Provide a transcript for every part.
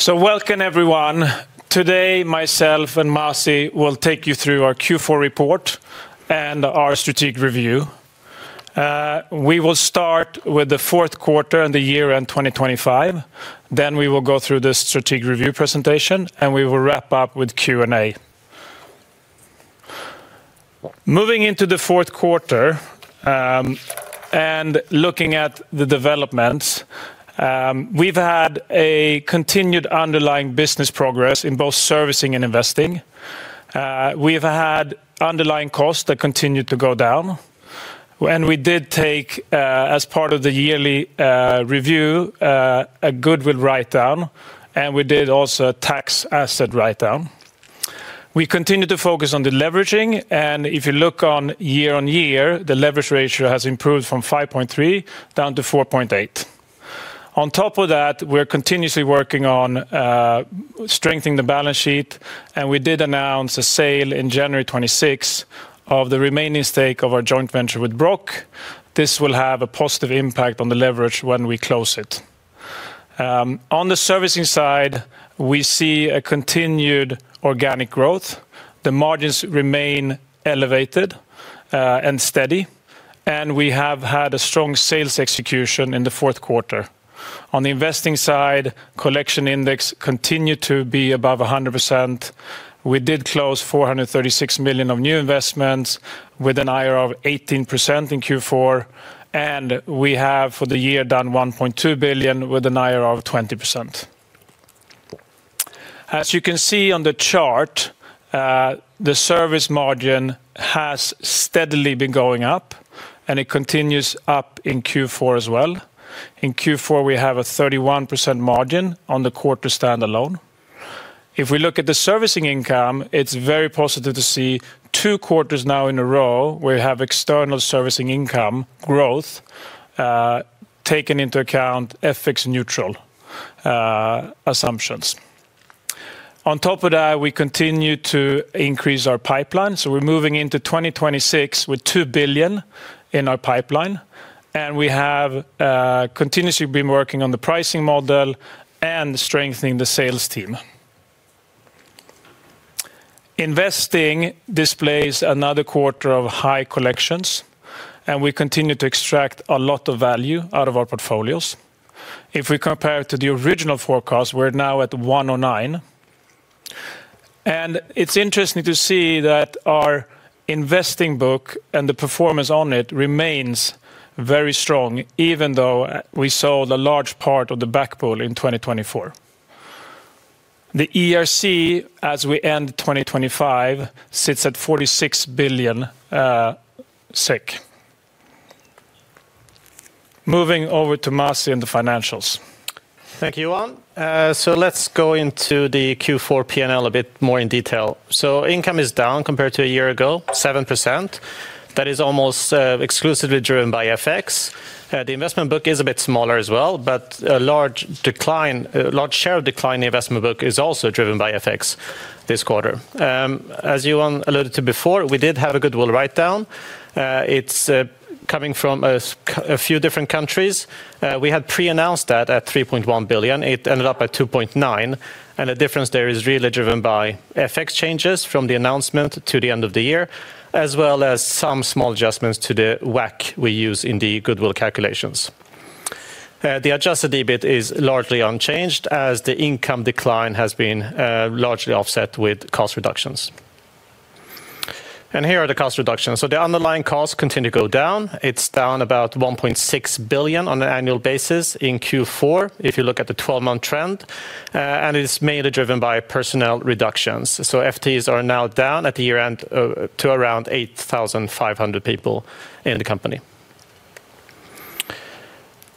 So welcome, everyone. Today, myself and Masih will take you through our Q4 report and our strategic review. We will start with the fourth quarter and the year-end 2025, then we will go through the strategic review presentation, and we will wrap up with Q&A. Moving into the fourth quarter, and looking at the developments, we've had a continued underlying business progress in both Servicing and Investing. We've had underlying costs that continued to go down, and we did take, as part of the yearly, review, a goodwill writedown, and we did also a tax asset writedown. We continued to focus on the leveraging, and if you look on year-on-year, the leverage ratio has improved from 5.3 down to 4.8. On top of that, we're continuously working on strengthening the balance sheet, and we did announce a sale in January 26th of the remaining stake of our joint venture with Brocc. This will have a positive impact on the leverage when we close it. On the Servicing side, we see a continued organic growth. The margins remain elevated and steady, and we have had a strong sales execution in the fourth quarter. On the Investing side, collection index continued to be above 100%. We did close 436 million of new investments with an IRR of 18% in Q4, and we have, for the year, done 1.2 billion with an IRR of 20%. As you can see on the chart, the service margin has steadily been going up, and it continues up in Q4 as well. In Q4, we have a 31% margin on the quarter standalone. If we look at the Servicing income, it's very positive to see two quarters now in a row, we have external Servicing income growth, taking into account FX neutral assumptions. On top of that, we continue to increase our pipeline, so we're moving into 2026 with 2 billion in our pipeline, and we have continuously been working on the pricing model and strengthening the sales team. Investing displays another quarter of high collections, and we continue to extract a lot of value out of our portfolios. If we compare it to the original forecast, we're now at 109. It's interesting to see that our Investing book and the performance on it remains very strong, even though we sold a large part of the back pool in 2024. The ERC, as we end 2025, sits at 46 billion. Moving over to Masih and the financials. Thank you, Johan. So let's go into the Q4 P&L a bit more in detail. So income is down compared to a year ago, 7%. That is almost exclusively driven by FX. The investment book is a bit smaller as well, but a large decline, a large share of decline in the investment book is also driven by FX this quarter. As Johan alluded to before, we did have a goodwill write-down. It's coming from a few different countries. We had pre-announced that at 3.1 billion. It ended up at 2.9 billion, and the difference there is really driven by FX changes from the announcement to the end of the year, as well as some small adjustments to the WACC we use in the goodwill calculations. The Adjusted EBIT is largely unchanged, as the income decline has been largely offset with cost reductions. Here are the cost reductions. The underlying costs continue to go down. It's down about 1.6 billion on an annual basis in Q4, if you look at the 12-month trend, and it is mainly driven by personnel reductions. FTEs are now down at the year-end to around 8,500 people in the company.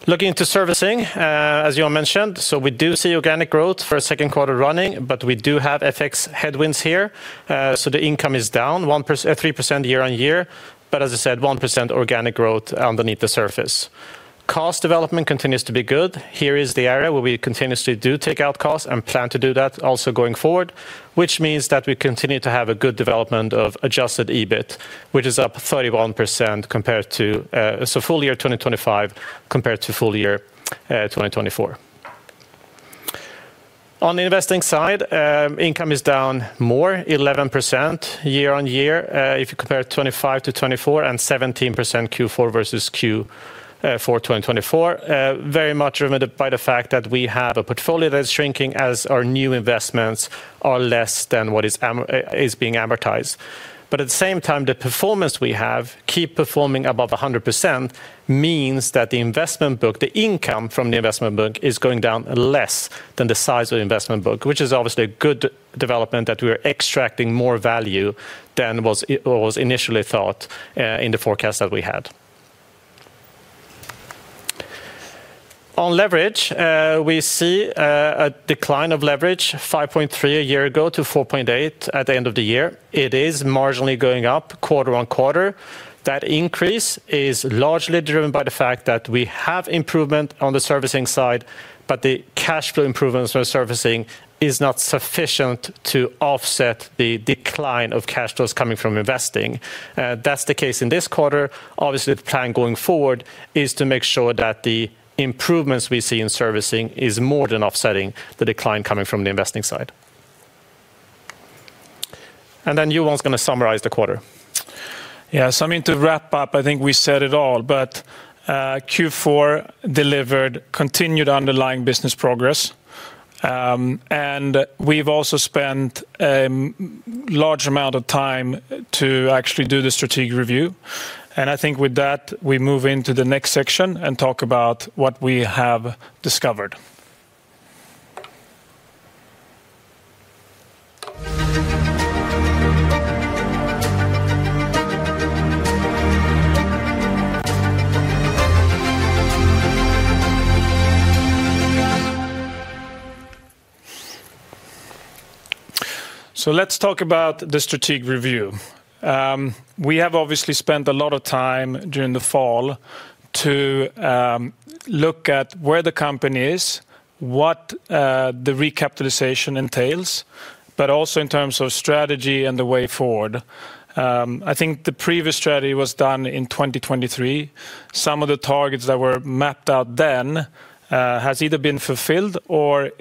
Looking to Servicing, as Johan mentioned, so we do see organic growth for a second quarter running, but we do have FX headwinds here. The income is down 3% year-on-year, but as I said, 1% organic growth underneath the surface. Cost development continues to be good. Here is the area where we continuously do take out costs and plan to do that also going forward, which means that we continue to have a good development of Adjusted EBIT, which is up 31% compared to, so full year 2025 compared to full year 2024. On the Investing side, income is down more, 11% year-on-year, if you compare 2025 to 2024, and 17% Q4 versus Q4 2024. Very much driven by the fact that we have a portfolio that is shrinking as our new investments are less than what is being amortized. But at the same time, the performance we have keep performing above 100%, means that the investment book, the income from the investment book, is going down less than the size of the investment book, which is obviously a good development that we are extracting more value than was initially thought, in the forecast that we had. On leverage, we see a decline of leverage, 5.3 a year ago to 4.8 at the end of the year. It is marginally going up quarter-on-quarter. That increase is largely driven by the fact that we have improvement on the Servicing side, but the cash flow improvements on Servicing is not sufficient to offset the decline of cash flows coming from Investing. That's the case in this quarter. Obviously, the plan going forward is to make sure that the improvements we see in Servicing is more than offsetting the decline coming from the Investing side. And then Johan's gonna summarize the quarter. Yeah, so I mean, to wrap up, I think we said it all, but, Q4 delivered continued underlying business progress. And we've also spent, large amount of time to actually do the strategic review. And I think with that, we move into the next section and talk about what we have discovered. So let's talk about the strategic review. We have obviously spent a lot of time during the fall to, look at where the company is, what, the recapitalization entails, but also in terms of strategy and the way forward. I think the previous strategy was done in 2023. Some of the targets that were mapped out then, has either been fulfilled or,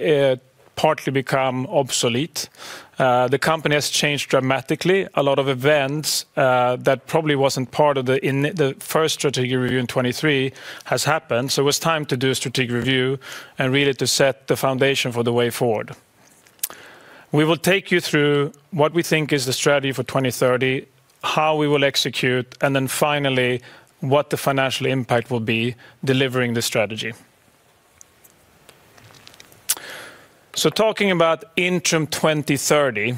partly become obsolete. The company has changed dramatically. A lot of events that probably wasn't part of the first strategic review in 2023 has happened, so it was time to do a strategic review and really to set the foundation for the way forward. We will take you through what we think is the strategy for 2030, how we will execute, and then finally, what the financial impact will be delivering the strategy. So talking about Intrum 2030,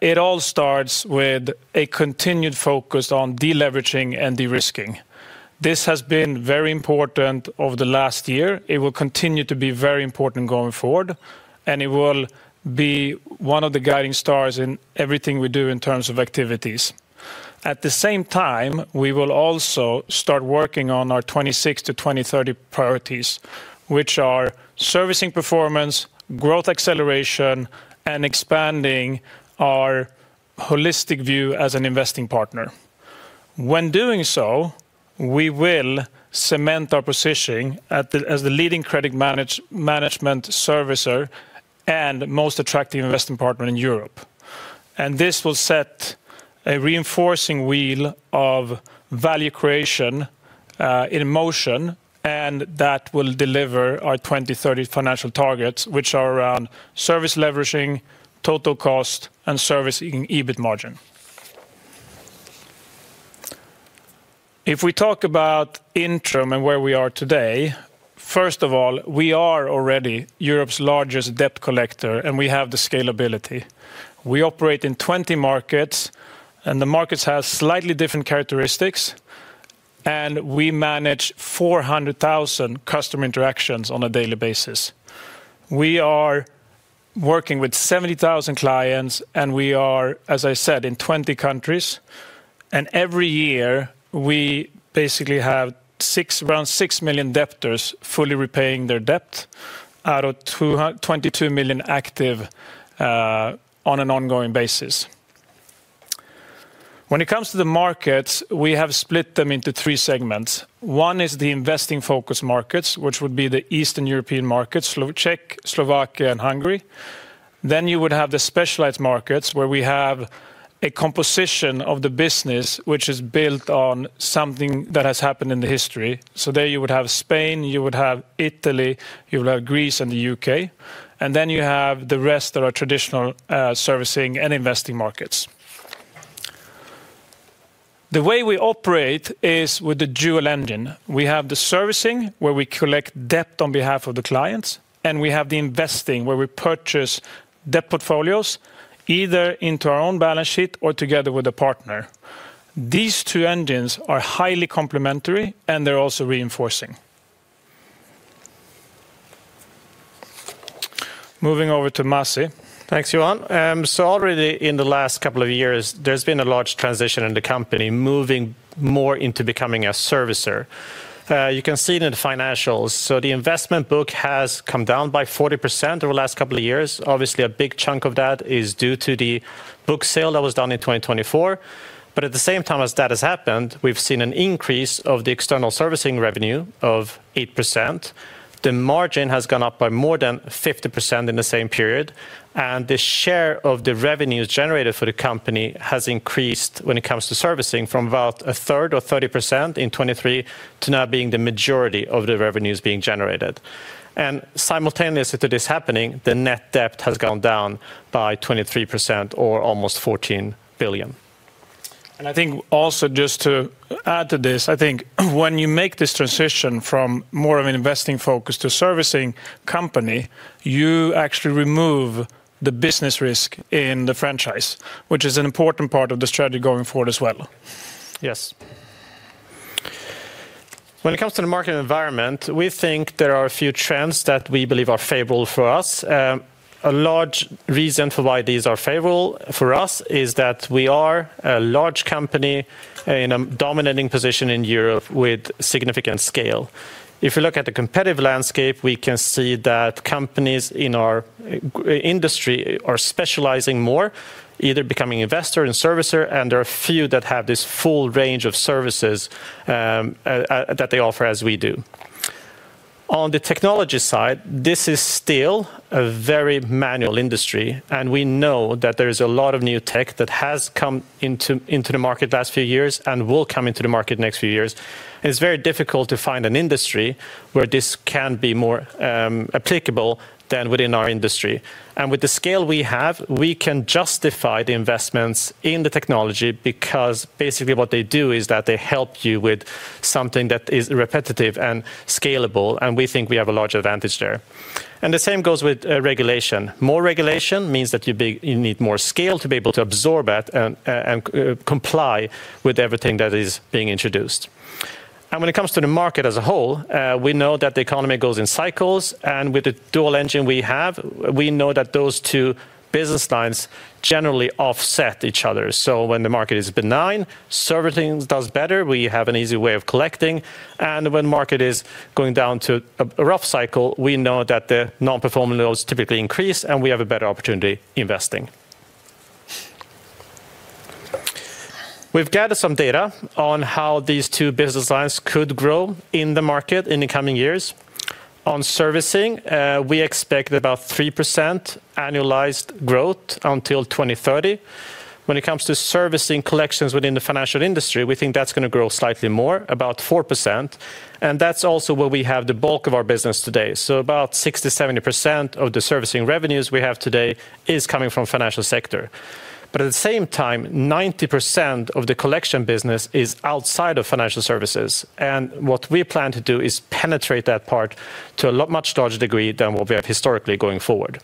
it all starts with a continued focus on deleveraging and de-risking. This has been very important over the last year. It will continue to be very important going forward, and it will be one of the guiding stars in everything we do in terms of activities. At the same time, we will also start working on our 2026-2030 priorities, which are servicing performance, growth acceleration, and expanding our holistic view as an investing partner. When doing so, we will cement our positioning as the leading credit management servicer and most attractive investing partner in Europe. This will set a reinforcing wheel of value creation in motion, and that will deliver our 2030 financial targets, which are around service leveraging, total cost, and Servicing EBIT margin. If we talk about interim and where we are today, first of all, we are already Europe's largest debt collector, and we have the scalability. We operate in 20 markets, and the markets have slightly different characteristics, and we manage 400,000 customer interactions on a daily basis. We are working with 70,000 clients, and we are, as I said, in 20 countries. Every year, we basically have around six million debtors fully repaying their debt out of 22 million active on an ongoing basis. When it comes to the markets, we have split them into three segments. One is the Investing focus markets, which would be the Eastern European markets, Czech, Slovakia, and Hungary. Then you would have the specialized markets, where we have a composition of the business, which is built on something that has happened in the history. So there you would have Spain, you would have Italy, you would have Greece and the U.K. And then you have the rest that are traditional Servicing and Investing markets. The way we operate is with a dual engine. We have the Servicing, where we collect debt on behalf of the clients, and we have the Investing, where we purchase debt portfolios, either into our own balance sheet or together with a partner. These two engines are highly complementary, and they're also reinforcing. Moving over to Masih. Thanks, Johan. So already in the last couple of years, there's been a large transition in the company, moving more into becoming a servicer. You can see it in the financials. So the investment book has come down by 40% over the last couple of years. Obviously, a big chunk of that is due to the book sale that was done in 2024. But at the same time as that has happened, we've seen an increase of the external Servicing revenue of 8%. The margin has gone up by more than 50% in the same period, and the share of the revenues generated for the company has increased when it comes to Servicing from about a third or 30% in 2023, to now being the majority of the revenues being generated. Simultaneously to this happening, the net debt has gone down by 23% or almost 14 billion. I think also, just to add to this, I think when you make this transition from more of an Investing focus to Servicing company, you actually remove the business risk in the franchise, which is an important part of the strategy going forward as well. Yes. When it comes to the market environment, we think there are a few trends that we believe are favorable for us. A large reason for why these are favorable for us is that we are a large company in a dominating position in Europe with significant scale. If you look at the competitive landscape, we can see that companies in our industry are specializing more, either becoming investor and servicer, and there are a few that have this full range of services, that they offer as we do. ... On the technology side, this is still a very manual industry, and we know that there is a lot of new tech that has come into the market the last few years and will come into the market the next few years. It's very difficult to find an industry where this can be more applicable than within our industry. And with the scale we have, we can justify the investments in the technology because basically what they do is that they help you with something that is repetitive and scalable, and we think we have a large advantage there. And the same goes with regulation. More regulation means that you need more scale to be able to absorb that and comply with everything that is being introduced. When it comes to the market as a whole, we know that the economy goes in cycles, and with the dual engine we have, we know that those two business lines generally offset each other. So when the market is benign, Servicing does better. We have an easy way of collecting, and when market is going down to a rough cycle, we know that the non-performing loans typically increase, and we have a better opportunity investing. We've gathered some data on how these two business lines could grow in the market in the coming years. On Servicing, we expect about 3% annualized growth until 2030. When it comes to Servicing collections within the financial industry, we think that's gonna grow slightly more, about 4%, and that's also where we have the bulk of our business today. So about 60%-70% of the Servicing revenues we have today is coming from financial sector. But at the same time, 90% of the collection business is outside of financial services, and what we plan to do is penetrate that part to a lot much larger degree than what we have historically going forward.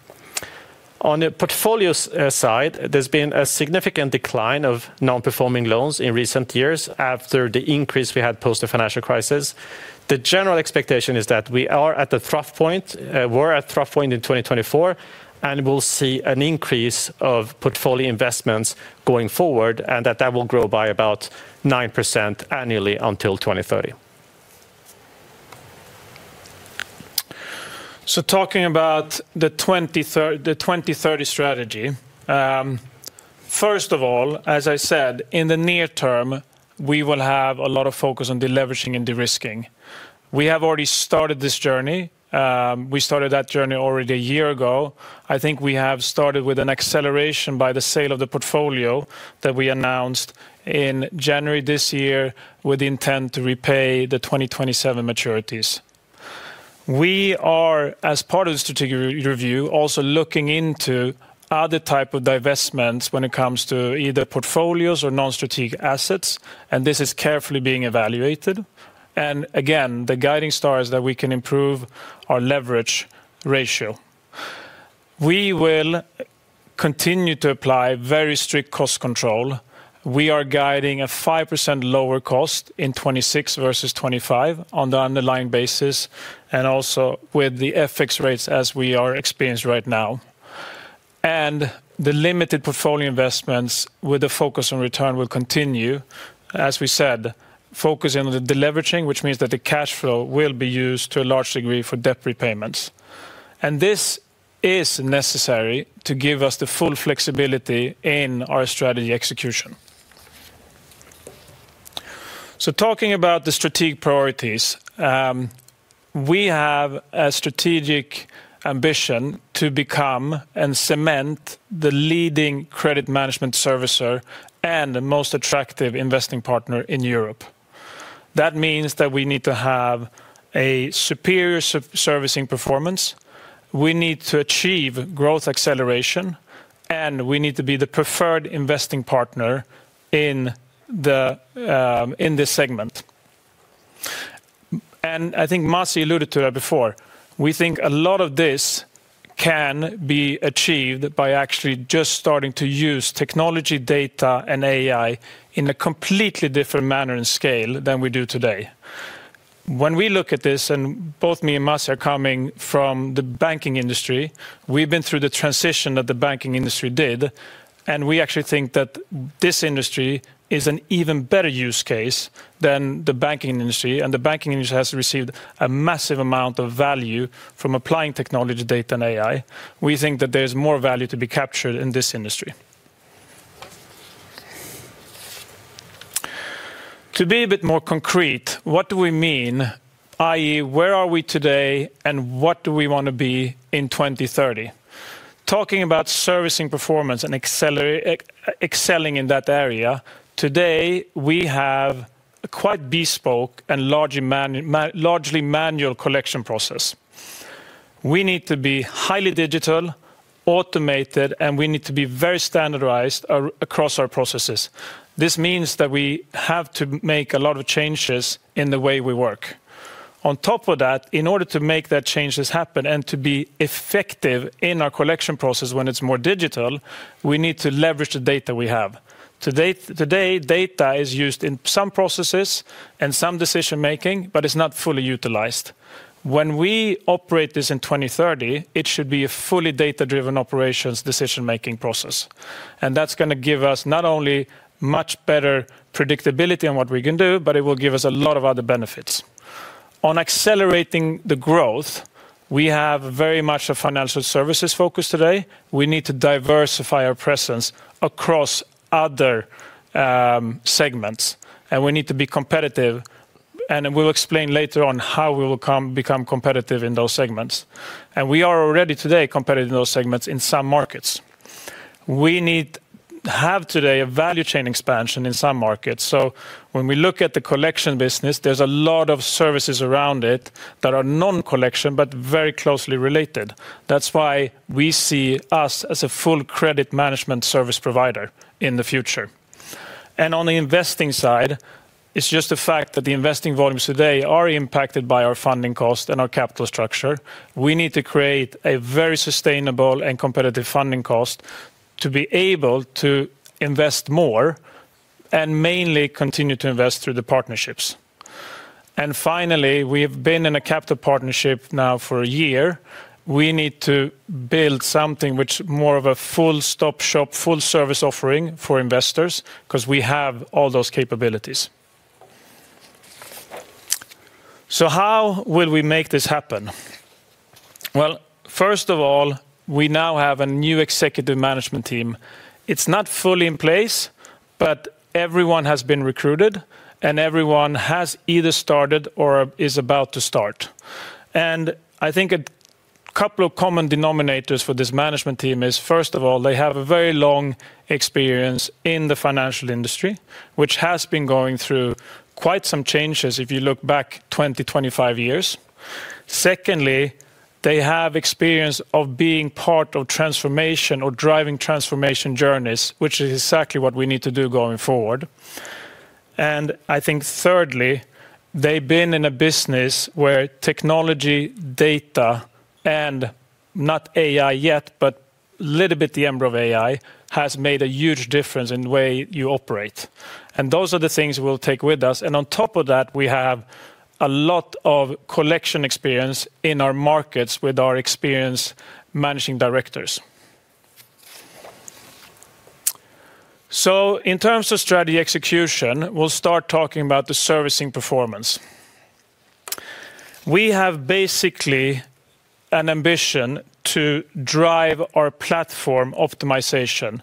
On the portfolio side, there's been a significant decline of non-performing loans in recent years after the increase we had post the financial crisis. The general expectation is that we are at the trough point, we're at trough point in 2024, and we'll see an increase of portfolio investments going forward, and that that will grow by about 9% annually until 2030. So talking about the 2030 strategy, first of all, as I said, in the near term, we will have a lot of focus on deleveraging and de-risking. We have already started this journey. We started that journey already a year ago. I think we have started with an acceleration by the sale of the portfolio that we announced in January this year with the intent to repay the 2027 maturities. We are, as part of the strategic review, also looking into other type of divestments when it comes to either portfolios or non-strategic assets, and this is carefully being evaluated. And again, the guiding star is that we can improve our leverage ratio. We will continue to apply very strict cost control. We are guiding a 5% lower cost in 2026 versus 2025 on the underlying basis, and also with the FX rates as we are experienced right now. The limited portfolio investments with a focus on return will continue. As we said, focusing on the deleveraging, which means that the cash flow will be used to a large degree for debt repayments, and this is necessary to give us the full flexibility in our strategy execution. Talking about the strategic priorities, we have a strategic ambition to become and cement the leading credit management servicer and the most attractive investing partner in Europe. That means that we need to have a superior Servicing performance, we need to achieve growth acceleration, and we need to be the preferred investing partner in the, in this segment. I think Masih alluded to that before. We think a lot of this can be achieved by actually just starting to use technology, data, and AI in a completely different manner and scale than we do today. When we look at this, and both me and Masih are coming from the banking industry, we've been through the transition that the banking industry did, and we actually think that this industry is an even better use case than the banking industry, and the banking industry has received a massive amount of value from applying technology, data, and AI. We think that there's more value to be captured in this industry. To be a bit more concrete, what do we mean, i.e., where are we today, and what do we want to be in 2030? Talking about Servicing performance and excelling in that area, today, we have a quite bespoke and largely manual collection process. We need to be highly digital, automated, and we need to be very standardized across our processes. This means that we have to make a lot of changes in the way we work. On top of that, in order to make that changes happen and to be effective in our collection process when it's more digital, we need to leverage the data we have. Today, data is used in some processes and some decision-making, but it's not fully utilized. When we operate this in 2030, it should be a fully data-driven operations decision-making process, and that's gonna give us not only much better predictability on what we can do, but it will give us a lot of other benefits. On accelerating the growth-... We have very much a financial services focus today. We need to diversify our presence across other segments, and we need to be competitive. We'll explain later on how we will become competitive in those segments. We are already today competitive in those segments in some markets. We need to have today a value chain expansion in some markets. When we look at the collection business, there's a lot of services around it that are non-collection, but very closely related. That's why we see us as a full credit management service provider in the future. On the Investing side, it's just the fact that the investing volumes today are impacted by our funding cost and our capital structure. We need to create a very sustainable and competitive funding cost to be able to invest more, and mainly continue to invest through the partnerships. And finally, we've been in a capital partnership now for a year. We need to build something which is more of a one-stop shop, full service offering for investors, 'cause we have all those capabilities. So how will we make this happen? Well, first of all, we now have a new executive management team. It's not fully in place, but everyone has been recruited, and everyone has either started or is about to start. And I think a couple of common denominators for this management team is, first of all, they have a very long experience in the financial industry, which has been going through quite some changes if you look back 20-25 years. Secondly, they have experience of being part of transformation or driving transformation journeys, which is exactly what we need to do going forward. And I think thirdly, they've been in a business where technology, data, and not AI yet, but little bit the embryo of AI, has made a huge difference in the way you operate. And those are the things we'll take with us, and on top of that, we have a lot of collection experience in our markets with our experienced managing directors. So in terms of strategy execution, we'll start talking about the Servicing performance. We have basically an ambition to drive our platform optimization,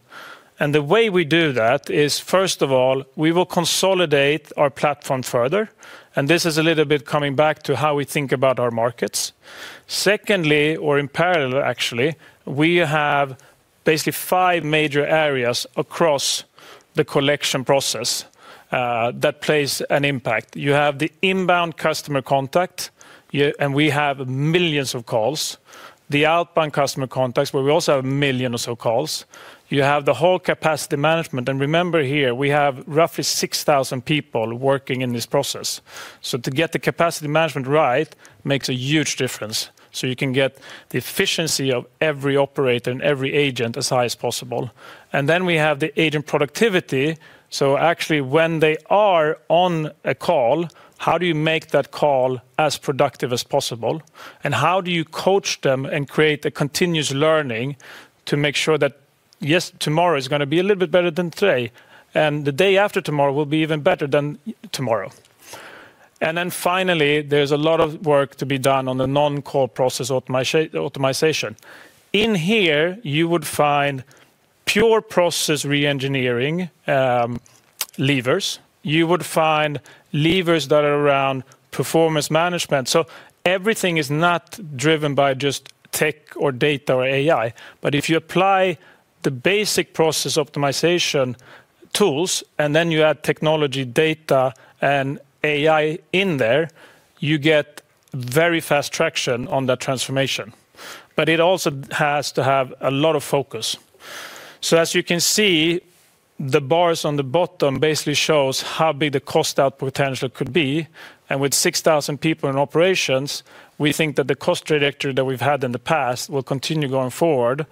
and the way we do that is, first of all, we will consolidate our platform further, and this is a little bit coming back to how we think about our markets. Secondly, or in parallel, actually, we have basically five major areas across the collection process that plays an impact. You have the inbound customer contact, and we have millions of calls. The outbound customer contacts, where we also have 1 million or so calls. You have the whole capacity management, and remember here, we have roughly 6,000 people working in this process. So to get the capacity management right makes a huge difference, so you can get the efficiency of every operator and every agent as high as possible. And then we have the agent productivity. So actually, when they are on a call, how do you make that call as productive as possible? And how do you coach them and create a continuous learning to make sure that, yes, tomorrow is gonna be a little bit better than today, and the day after tomorrow will be even better than tomorrow? And then finally, there's a lot of work to be done on the non-core process optimization. In here, you would find pure process reengineering, levers. You would find levers that are around performance management. So everything is not driven by just tech or data or AI, but if you apply the basic process optimization tools, and then you add technology, data, and AI in there, you get very fast traction on that transformation. But it also has to have a lot of focus. So as you can see, the bars on the bottom basically shows how big the cost out potential could be, and with 6,000 people in operations, we think that the cost trajectory that we've had in the past will continue going forward.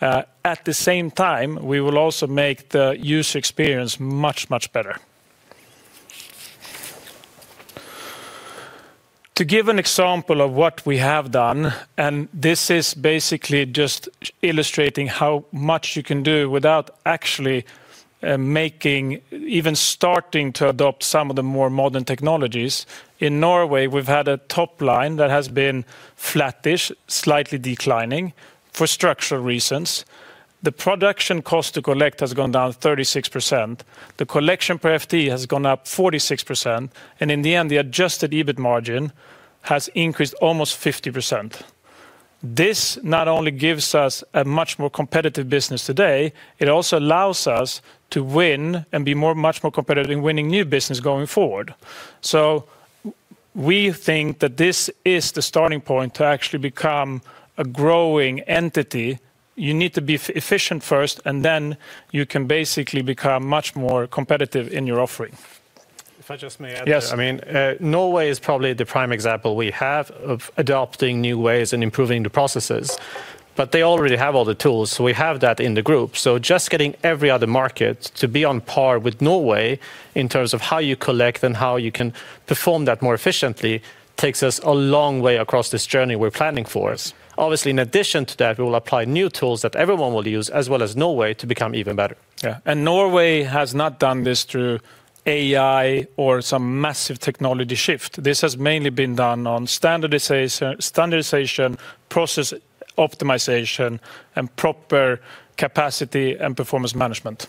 At the same time, we will also make the user experience much, much better. To give an example of what we have done, and this is basically just illustrating how much you can do without actually making... even starting to adopt some of the more modern technologies. In Norway, we've had a top line that has been flattish, slightly declining for structural reasons. The production cost to collect has gone down 36%. The collection per FTE has gone up 46%, and in the end, the Adjusted EBIT margin has increased almost 50%. This not only gives us a much more competitive business today, it also allows us to win and be more, much more competitive in winning new business going forward. So we think that this is the starting point to actually become a growing entity. You need to be efficient first, and then you can basically become much more competitive in your offering. If I just may add- Yes. I mean, Norway is probably the prime example we have of adopting new ways and improving the processes, but they already have all the tools, so we have that in the group. So just getting every other market to be on par with Norway, in terms of how you collect and how you can perform that more efficiently, takes us a long way across this journey we're planning for us. Obviously, in addition to that, we will apply new tools that everyone will use, as well as Norway, to become even better. Yeah, and Norway has not done this through AI or some massive technology shift. This has mainly been done on standardization, process optimization and proper capacity and performance management.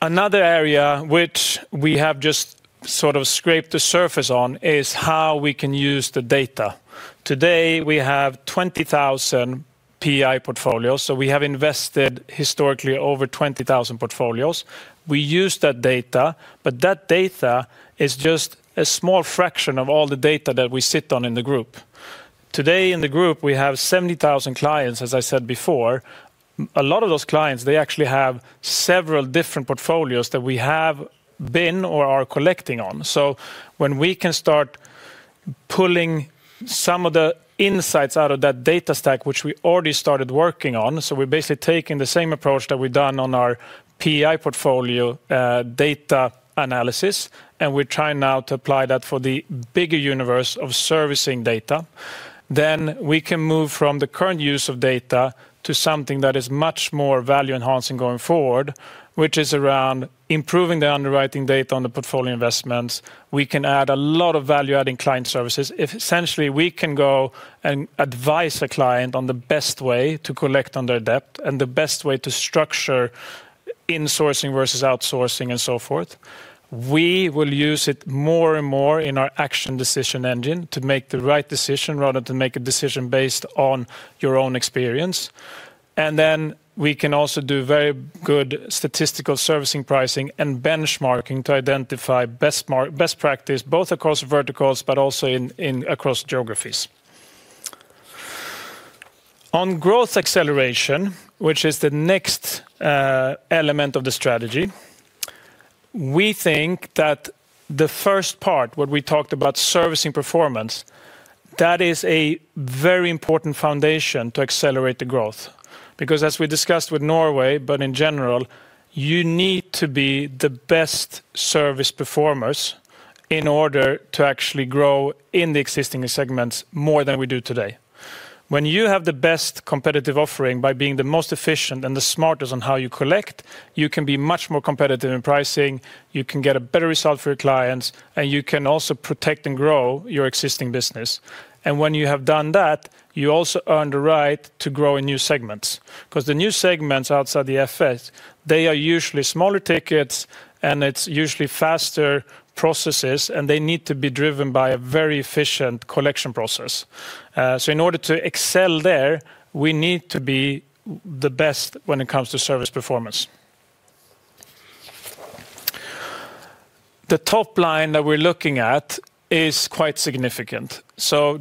Another area which we have just sort of scraped the surface on is how we can use the data. Today, we have 20,000 PI portfolios, so we have invested historically over 20,000 portfolios. We use that data, but that data is just a small fraction of all the data that we sit on in the group. Today, in the group, we have 70,000 clients, as I said before. A lot of those clients, they actually have several different portfolios that we have been or are collecting on. So when we can start pulling some of the insights out of that data stack, which we already started working on, so we're basically taking the same approach that we've done on our PI portfolio, data analysis, and we're trying now to apply that for the bigger universe of servicing data. Then we can move from the current use of data to something that is much more value enhancing going forward, which is around improving the underwriting data on the portfolio investments. We can add a lot of value adding client services. If essentially we can go and advise a client on the best way to collect on their debt and the best way to structure insourcing versus outsourcing and so forth, we will use it more and more in our action decision engine to make the right decision rather than make a decision based on your own experience. Then we can also do very good statistical servicing, pricing, and benchmarking to identify best practice, both across verticals, but also in across geographies. On growth acceleration, which is the next element of the strategy, we think that the first part, what we talked about, Servicing performance, that is a very important foundation to accelerate the growth. Because as we discussed with Norway, but in general, you need to be the best service performers in order to actually grow in the existing segments more than we do today. When you have the best competitive offering by being the most efficient and the smartest on how you collect, you can be much more competitive in pricing, you can get a better result for your clients, and you can also protect and grow your existing business. When you have done that, you also earn the right to grow in new segments. Because the new segments outside the FS, they are usually smaller tickets, and it's usually faster processes, and they need to be driven by a very efficient collection process. So in order to excel there, we need to be the best when it comes to service performance. The top line that we're looking at is quite significant.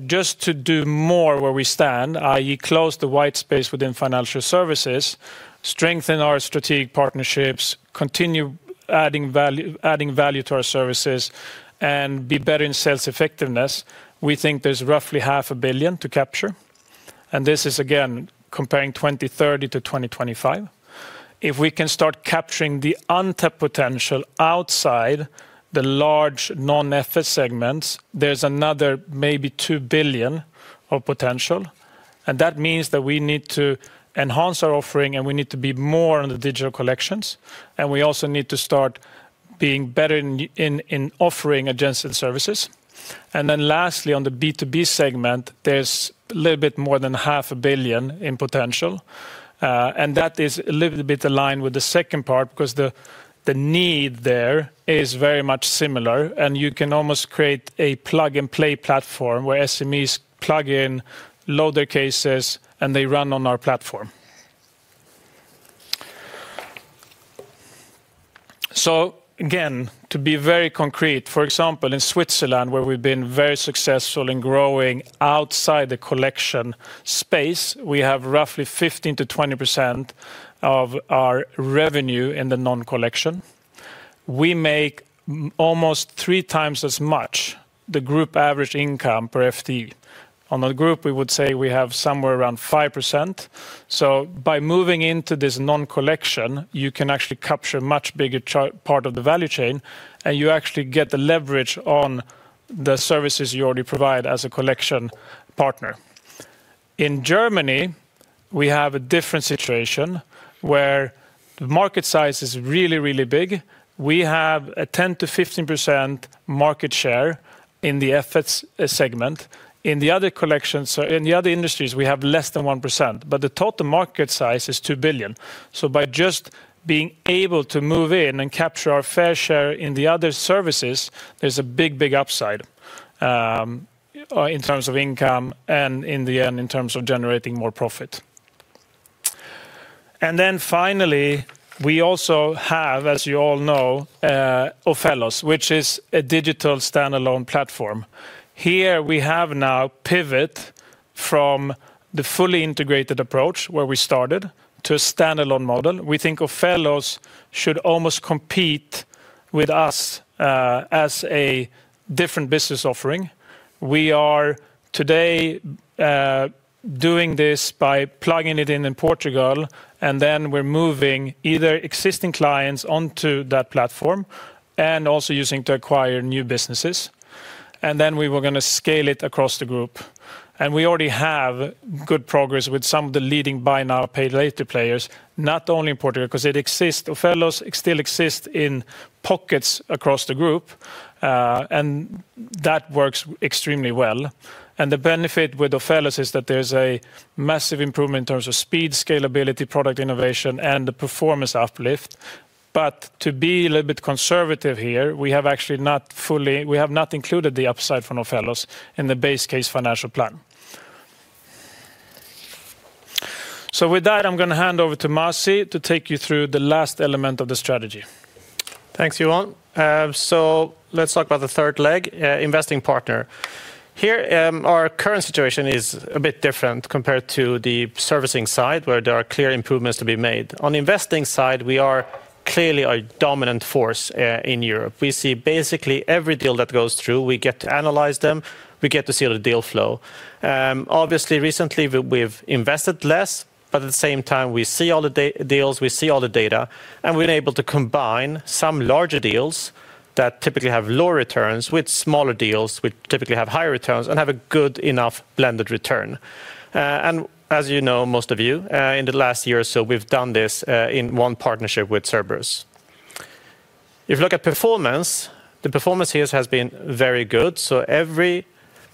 Just to do more where we stand, i.e., close the white space within financial services, strengthen our strategic partnerships, continue adding value, adding value to our services, and be better in sales effectiveness, we think there's roughly 500 million to capture, and this is again, comparing 2030 to 2025. If we can start capturing the untapped potential outside the large non-FS segments, there's another maybe 2 billion of potential. That means that we need to enhance our offering, and we need to be more on the digital collections, and we also need to start being better in offering adjacent services. Then lastly, on the B2B segment, there's a little bit more than 500 million in potential, and that is a little bit aligned with the second part, because the need there is very much similar, and you can almost create a plug-and-play platform where SMEs plug in, load their cases, and they run on our platform. So again, to be very concrete, for example, in Switzerland, where we've been very successful in growing outside the collection space, we have roughly 15%-20% of our revenue in the non-collection. We make almost 3x as much the group average income per FTE. On the group, we would say we have somewhere around 5%. So by moving into this non-collection, you can actually capture a much bigger part of the value chain, and you actually get the leverage on the services you already provide as a collection partner. In Germany, we have a different situation where the market size is really, really big. We have a 10%-15% market share in the FS segment. In the other collections, in the other industries, we have less than 1%, but the total market size is 2 billion. So by just being able to move in and capture our fair share in the other services, there's a big, big upside in terms of income and in the end, in terms of generating more profit. And then finally, we also have, as you all know, Ophelos, which is a digital standalone platform. Here, we have now pivoted from the fully integrated approach where we started to a standalone model. We think Ophelos should almost compete with us, as a different business offering. We are today doing this by plugging it in in Portugal, and then we're moving either existing clients onto that platform and also using to acquire new businesses. And then we were gonna scale it across the group. And we already have good progress with some of the leading Buy Now, Pay Later players, not only in Portugal, because it exists, Ophelos still exists in pockets across the group, and that works extremely well. And the benefit with Ophelos is that there's a massive improvement in terms of speed, scalability, product innovation, and the performance uplift. But to be a little bit conservative here, we have actually not included the upside from Ophelos in the base case financial plan. So with that, I'm going to hand over to Masih to take you through the last element of the strategy. Thanks, Johan. So let's talk about the third leg, Investing partner. Here, our current situation is a bit different compared to the Servicing side, where there are clear improvements to be made. On the Investing side, we are clearly a dominant force in Europe. We see basically every deal that goes through. We get to analyze them, we get to see all the deal flow. Obviously, recently, we've invested less, but at the same time, we see all the deals, we see all the data, and we're able to combine some larger deals that typically have low returns with smaller deals, which typically have higher returns and have a good enough blended return. And as you know, most of you, in the last year or so, we've done this in one partnership with Cerberus. If you look at performance, the performance here has been very good. So every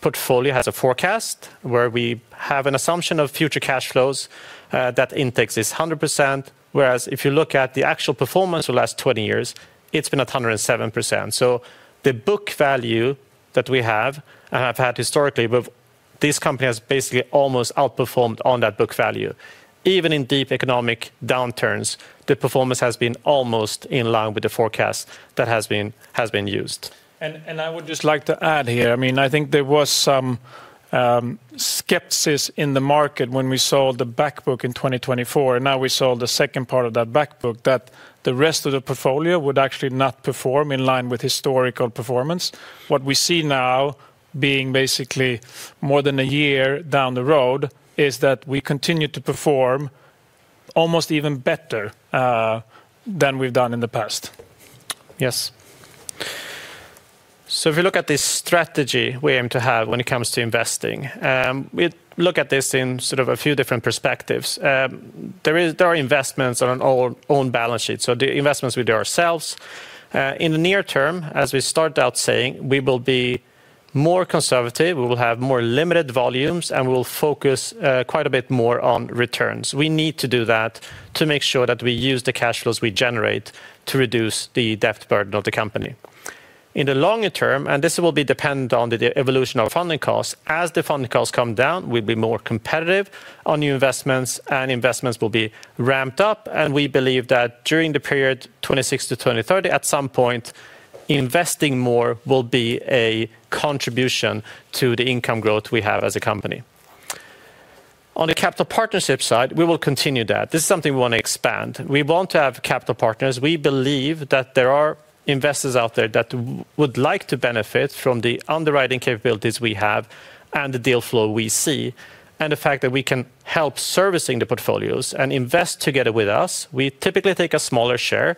portfolio has a forecast where we have an assumption of future cash flows that intakes is 100%, whereas if you look at the actual performance for the last 20 years, it's been at 107%. So the book value that we have, and have had historically, with this company, has basically almost outperformed on that book value. Even in deep economic downturns, the performance has been almost in line with the forecast that has been used. I would just like to add here, I mean, I think there was some skepticism in the market when we sold the back book in 2024, and now we sold the second part of that back book, that the rest of the portfolio would actually not perform in line with historical performance. What we see now, being basically more than a year down the road, is that we continue to perform almost even better than we've done in the past. Yes. So if you look at the strategy we aim to have when it comes to Investing, we look at this in sort of a few different perspectives. There are investments on our own balance sheet, so the investments we do ourselves. In the near term, as we start out saying, we will be more conservative, we will have more limited volumes, and we will focus quite a bit more on returns. We need to do that to make sure that we use the cash flows we generate to reduce the debt burden of the company. In the longer term, and this will be dependent on the evolution of funding costs, as the funding costs come down, we'll be more competitive on new investments, and investments will be ramped up. We believe that during the period 2026 to 2030, at some point, investing more will be a contribution to the income growth we have as a company. On the capital partnership side, we will continue that. This is something we want to expand. We want to have capital partners. We believe that there are investors out there that would like to benefit from the underwriting capabilities we have and the deal flow we see, and the fact that we can help servicing the portfolios and invest together with us. We typically take a smaller share,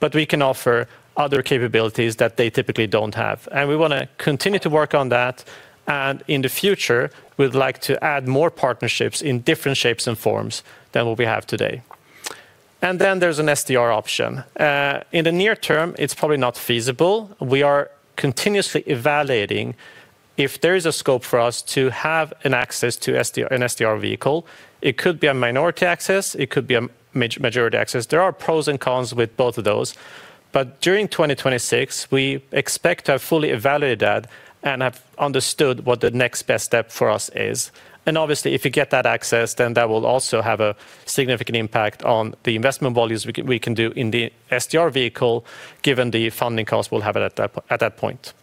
but we can offer other capabilities that they typically don't have. And we want to continue to work on that, and in the future, we'd like to add more partnerships in different shapes and forms than what we have today. And then there's an STR option. In the near term, it's probably not feasible. We are continuously evaluating if there is a scope for us to have an access to an STR vehicle. It could be a minority access, it could be a majority access. There are pros and cons with both of those. But during 2026, we expect to have fully evaluated that and have understood what the next best step for us is. And obviously, if you get that access, then that will also have a significant impact on the investment volumes we can do in the STR vehicle, given the funding costs we'll have at that point.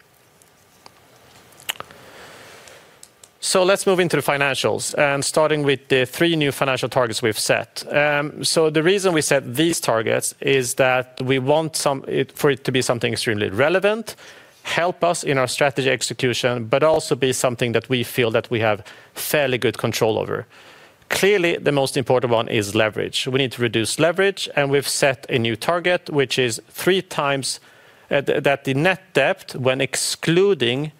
So let's move into the financials and starting with the three new financial targets we've set. So the reason we set these targets is that we want some... For it to be something extremely relevant, help us in our strategy execution, but also be something that we feel that we have fairly good control over. Clearly, the most important one is leverage. We need to reduce leverage, and we've set a new target, which is 3 times, the net debt when excluding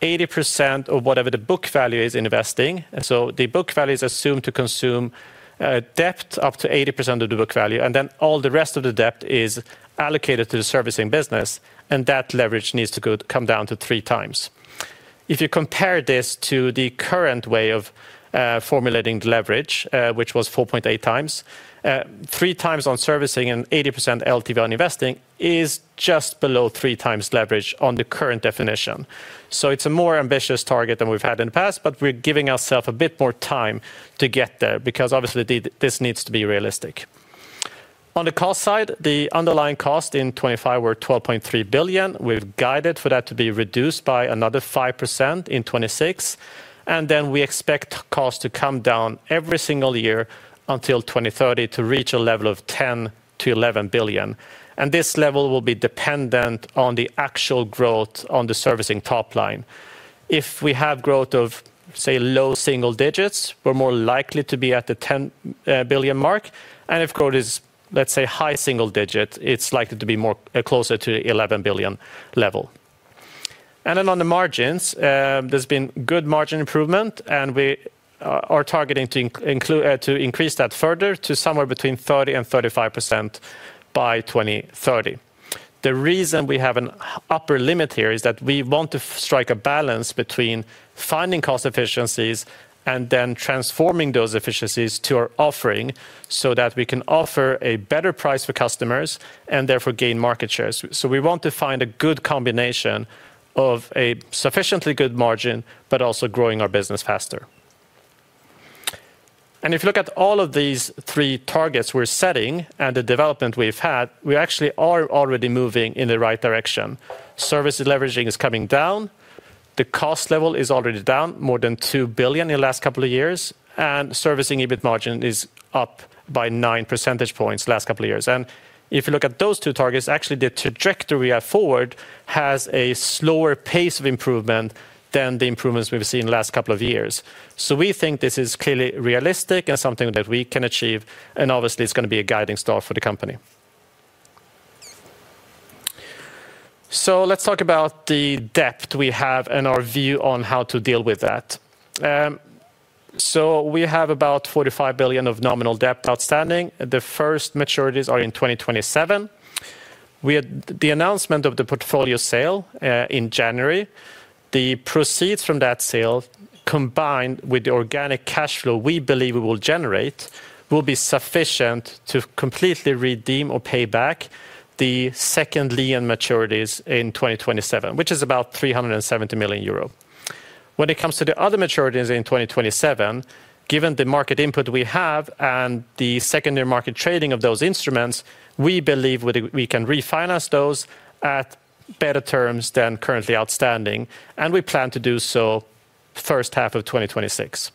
80% of whatever the book value is Investing. So the book value is assumed to consume debt up to 80% of the book value, and then all the rest of the debt is allocated to the Servicing business, and that leverage needs to come down to 3x. If you compare this to the current way of formulating the leverage, which was 4.8x, 3x on Servicing and 80% LTV on Investing is just below 3x leverage on the current definition. So it's a more ambitious target than we've had in the past, but we're giving ourselves a bit more time to get there, because obviously this needs to be realistic. On the cost side, the underlying cost in 2025 were 12.3 billion. We've guided for that to be reduced by another 5% in 2026, and then we expect costs to come down every single year until 2030 to reach a level of 10 billion-11 billion. And this level will be dependent on the actual growth on the Servicing top line. If we have growth of, say, low single digits, we're more likely to be at the 10 billion mark. And if growth is, let's say, high single digits, it's likely to be more closer to the 11 billion level. And then on the margins, there's been good margin improvement, and we are targeting to increase that further to somewhere between 30% and 35% by 2030. The reason we have an upper limit here is that we want to strike a balance between finding cost efficiencies and then transforming those efficiencies to our offering, so that we can offer a better price for customers and therefore gain market shares. So we want to find a good combination of a sufficiently good margin, but also growing our business faster. And if you look at all of these three targets we're setting and the development we've had, we actually are already moving in the right direction. Servicing leverage is coming down, the cost level is already down more than 2 billion in the last couple of years, and Servicing EBIT margin is up by nine percentage points the last couple of years. And if you look at those two targets, actually the trajectory forward has a slower pace of improvement than the improvements we've seen in the last couple of years. So we think this is clearly realistic and something that we can achieve, and obviously it's going to be a guiding star for the company. So let's talk about the debt we have and our view on how to deal with that. We have about 45 billion of nominal debt outstanding. The first maturities are in 2027. We had the announcement of the portfolio sale in January. The proceeds from that sale, combined with the organic cash flow we believe we will generate, will be sufficient to completely redeem or pay back the second lien maturities in 2027, which is about 370 million euro. When it comes to the other maturities in 2027, given the market input we have and the secondary market trading of those instruments, we believe we can refinance those at better terms than currently outstanding, and we plan to do so first half of 2026.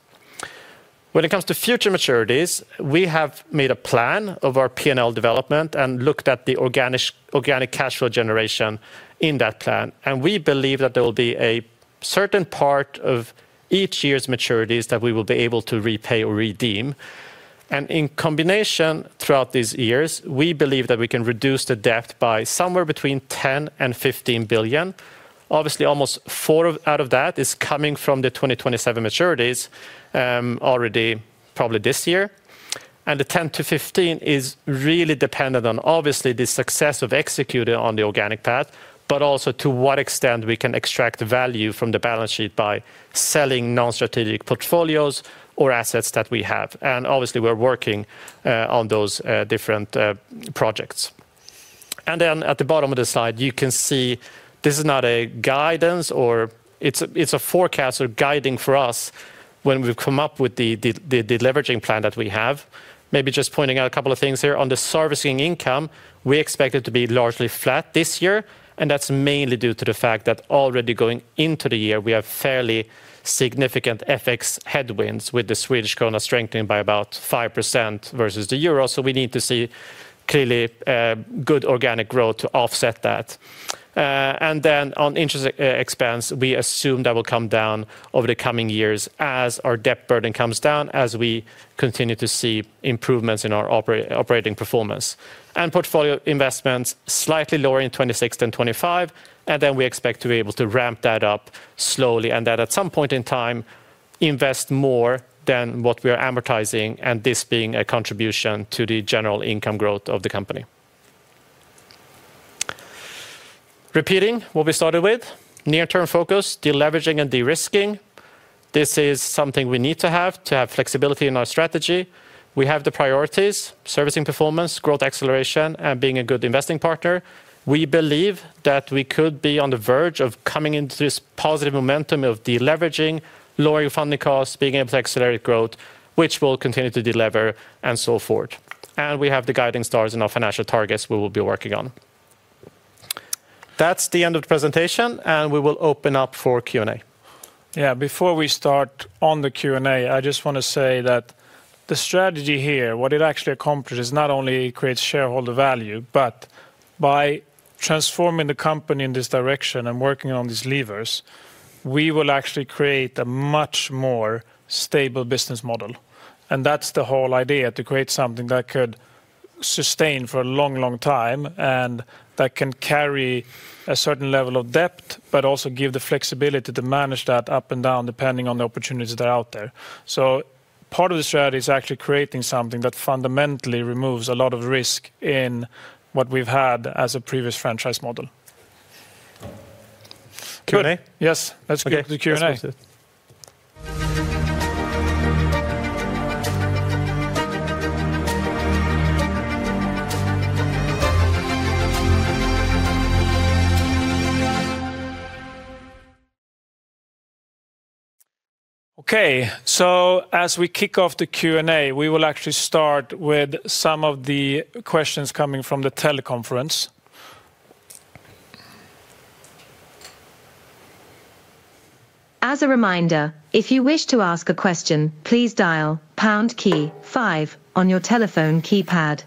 When it comes to future maturities, we have made a plan of our P&L development and looked at the organic cash flow generation in that plan. We believe that there will be a certain part of each year's maturities that we will be able to repay or redeem. In combination throughout these years, we believe that we can reduce the debt by somewhere between 10 billion and 15 billion. Obviously, almost four out of that is coming from the 2027 maturities, already probably this year. The 10-15 is really dependent on, obviously, the success of executing on the organic path, but also to what extent we can extract value from the balance sheet by selling non-strategic portfolios or assets that we have. Obviously, we're working on those different projects. Then at the bottom of the slide, you can see this is not a guidance or... It's a forecast or guiding for us when we've come up with the leveraging plan that we have. Maybe just pointing out a couple of things here. On the Servicing income, we expect it to be largely flat this year, and that's mainly due to the fact that already going into the year, we have fairly significant FX headwinds, with the Swedish krona strengthening by about 5% versus the euro. So we need to see clearly good organic growth to offset that. And then on interest expense, we assume that will come down over the coming years as our debt burden comes down, as we continue to see improvements in our operating performance. Portfolio investments, slightly lower in 2026 than 2025, and then we expect to be able to ramp that up slowly, and that at some point in time, invest more than what we are amortizing, and this being a contribution to the general income growth of the company. Repeating what we started with, near-term focus, deleveraging and de-risking. This is something we need to have to have flexibility in our strategy. We have the priorities, Servicing performance, growth acceleration, and being a good investing partner. We believe that we could be on the verge of coming into this positive momentum of deleveraging, lowering funding costs, being able to accelerate growth, which will continue to delever and so forth. We have the guiding stars and our financial targets we will be working on. That's the end of the presentation, and we will open up for Q&A. Yeah, before we start on the Q&A, I just want to say that the strategy here, what it actually accomplished, is not only it creates shareholder value, but by transforming the company in this direction and working on these levers, we will actually create a much more stable business model. And that's the whole idea, to create something that could sustain for a long, long time, and that can carry a certain level of depth, but also give the flexibility to manage that up and down, depending on the opportunities that are out there. So part of the strategy is actually creating something that fundamentally removes a lot of risk in what we've had as a previous franchise model. Q&A? Good. Yes, let's get to the Q&A. Okay, let's do it. Okay, so as we kick off the Q&A, we will actually start with some of the questions coming from the teleconference. As a reminder, if you wish to ask a question, please dial pound key five on your telephone keypad.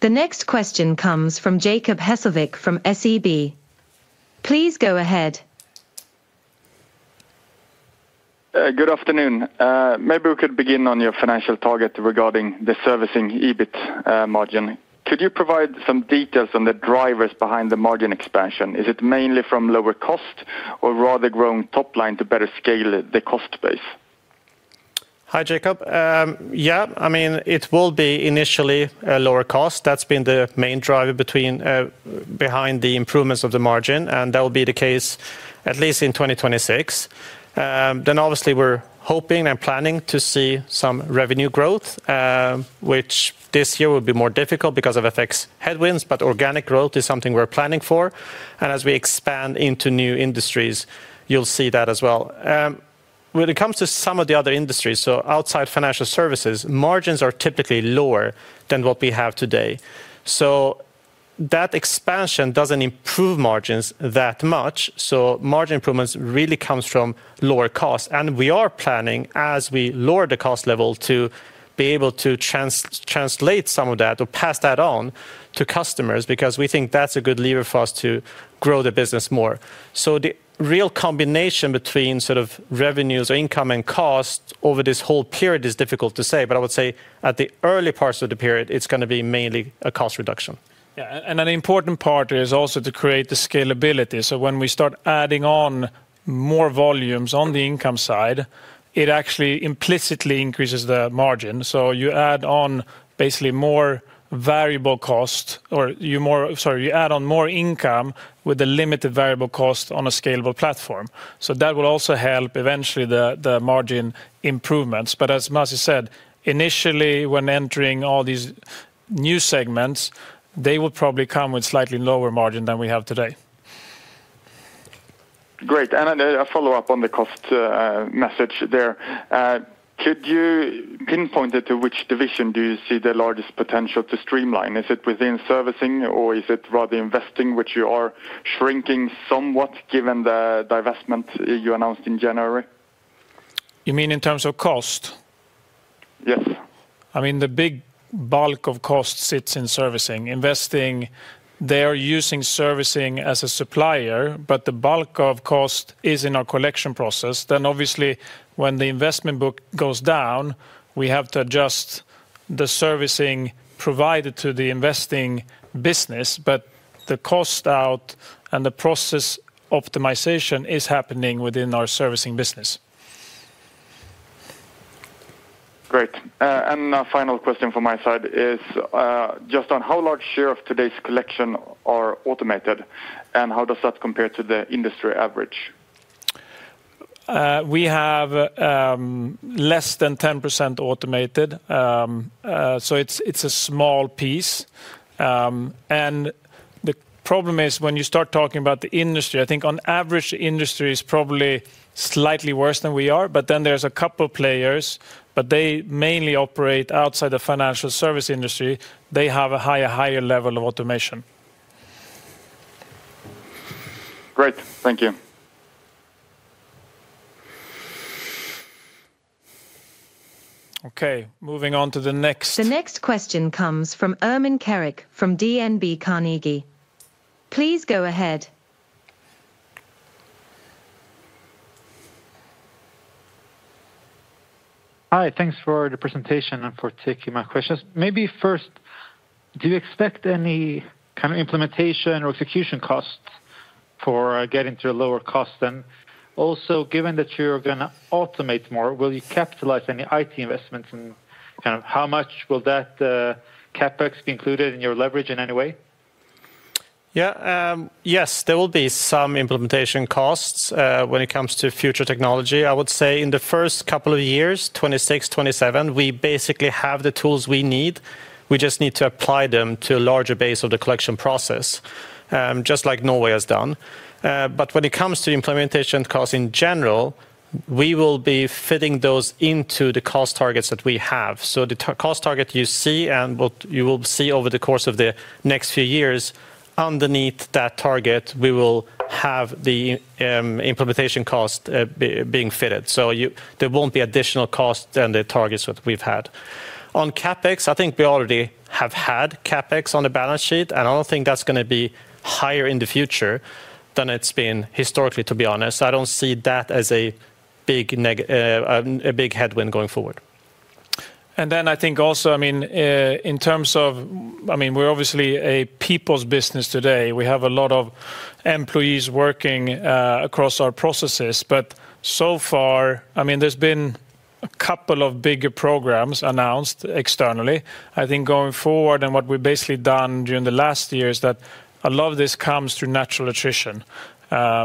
The next question comes from Jacob Hesslevik from SEB. Please go ahead. Good afternoon. Maybe we could begin on your financial target regarding the Servicing EBIT margin. Could you provide some details on the drivers behind the margin expansion? Is it mainly from lower cost or rather growing top line to better scale the cost base? Hi, Jacob. Yeah, I mean, it will be initially a lower cost. That's been the main driver between, behind the improvements of the margin, and that will be the case at least in 2026. Then obviously, we're hoping and planning to see some revenue growth, which this year will be more difficult because of FX headwinds, but organic growth is something we're planning for. And as we expand into new industries, you'll see that as well. When it comes to some of the other industries, so outside financial services, margins are typically lower than what we have today. So that expansion doesn't improve margins that much, so margin improvements really comes from lower costs. We are planning, as we lower the cost level, to be able to translate some of that or pass that on to customers, because we think that's a good lever for us to grow the business more. So the real combination between sort of revenues or income and cost over this whole period is difficult to say, but I would say at the early parts of the period, it's gonna be mainly a cost reduction. Yeah, and an important part is also to create the scalability. So when we start adding on more volumes on the income side, it actually implicitly increases the margin. So you add on basically more income with the limited variable cost on a scalable platform. So that will also help eventually the margin improvements. But as Masih has said, initially, when entering all these new segments, they will probably come with slightly lower margin than we have today. Great, and then a follow-up on the cost message there. Could you pinpoint it to which division do you see the largest potential to streamline? Is it within Servicing or is it rather Investing, which you are shrinking somewhat, given the divestment you announced in January? You mean in terms of cost? Yes. I mean, the big bulk of cost sits in Servicing. Investing, they are using Servicing as a supplier, but the bulk of cost is in our collection process. Then obviously, when the investment book goes down, we have to adjust the Servicing provided to the Investing business. But the cost out and the process optimization is happening within our Servicing business. Great. And a final question from my side is, just on how large share of today's collection are automated, and how does that compare to the industry average? We have less than 10% automated. So it's a small piece. And the problem is, when you start talking about the industry, I think on average, the industry is probably slightly worse than we are. But then there's a couple of players, but they mainly operate outside the financial service industry. They have a higher, higher level of automation. Great. Thank you. Okay, moving on to the next- The next question comes from Ermin Keric from DNB Carnegie. Please go ahead. Hi, thanks for the presentation and for taking my questions. Maybe first, do you expect any kind of implementation or execution costs for getting to a lower cost? Then also, given that you're gonna automate more, will you capitalize any IT investments, and kind of how much will that, CapEx be included in your leverage in any way? Yeah, yes, there will be some implementation costs, when it comes to future technology. I would say in the first couple of years, 2026, 2027, we basically have the tools we need. We just need to apply them to a larger base of the collection process, just like Norway has done. But when it comes to implementation costs in general, we will be fitting those into the cost targets that we have. So the cost target you see and what you will see over the course of the next few years, underneath that target, we will have the, implementation cost, being fitted. So you... There won't be additional cost than the targets that we've had. On CapEx, I think we already have had CapEx on the balance sheet, and I don't think that's gonna be higher in the future than it's been historically, to be honest. I don't see that as a big headwind going forward. And then I think also, I mean, in terms of... I mean, we're obviously a people's business today. We have a lot of employees working across our processes, but so far, I mean, there's been a couple of bigger programs announced externally. I think going forward, and what we've basically done during the last year, is that a lot of this comes through natural attrition.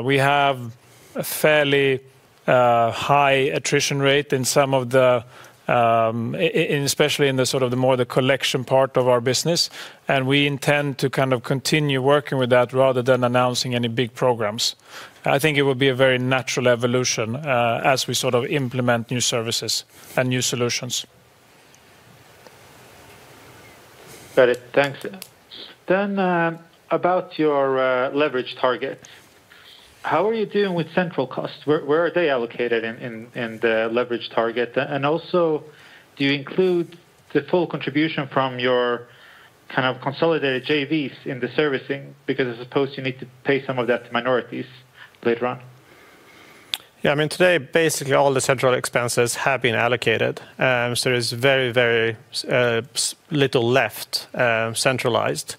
We have a fairly high attrition rate in some of the, especially in the sort of the more the collection part of our business, and we intend to kind of continue working with that rather than announcing any big programs. I think it would be a very natural evolution, as we sort of implement new services and new solutions. Got it. Thanks. Then, about your leverage target. How are you doing with central costs? Where are they allocated in the leverage target? And also, do you include the full contribution from your kind of consolidated JVs in the servicing? Because I suppose you need to pay some of that to minorities later on. Yeah, I mean, today, basically all the central expenses have been allocated. So there's very, very little left centralized.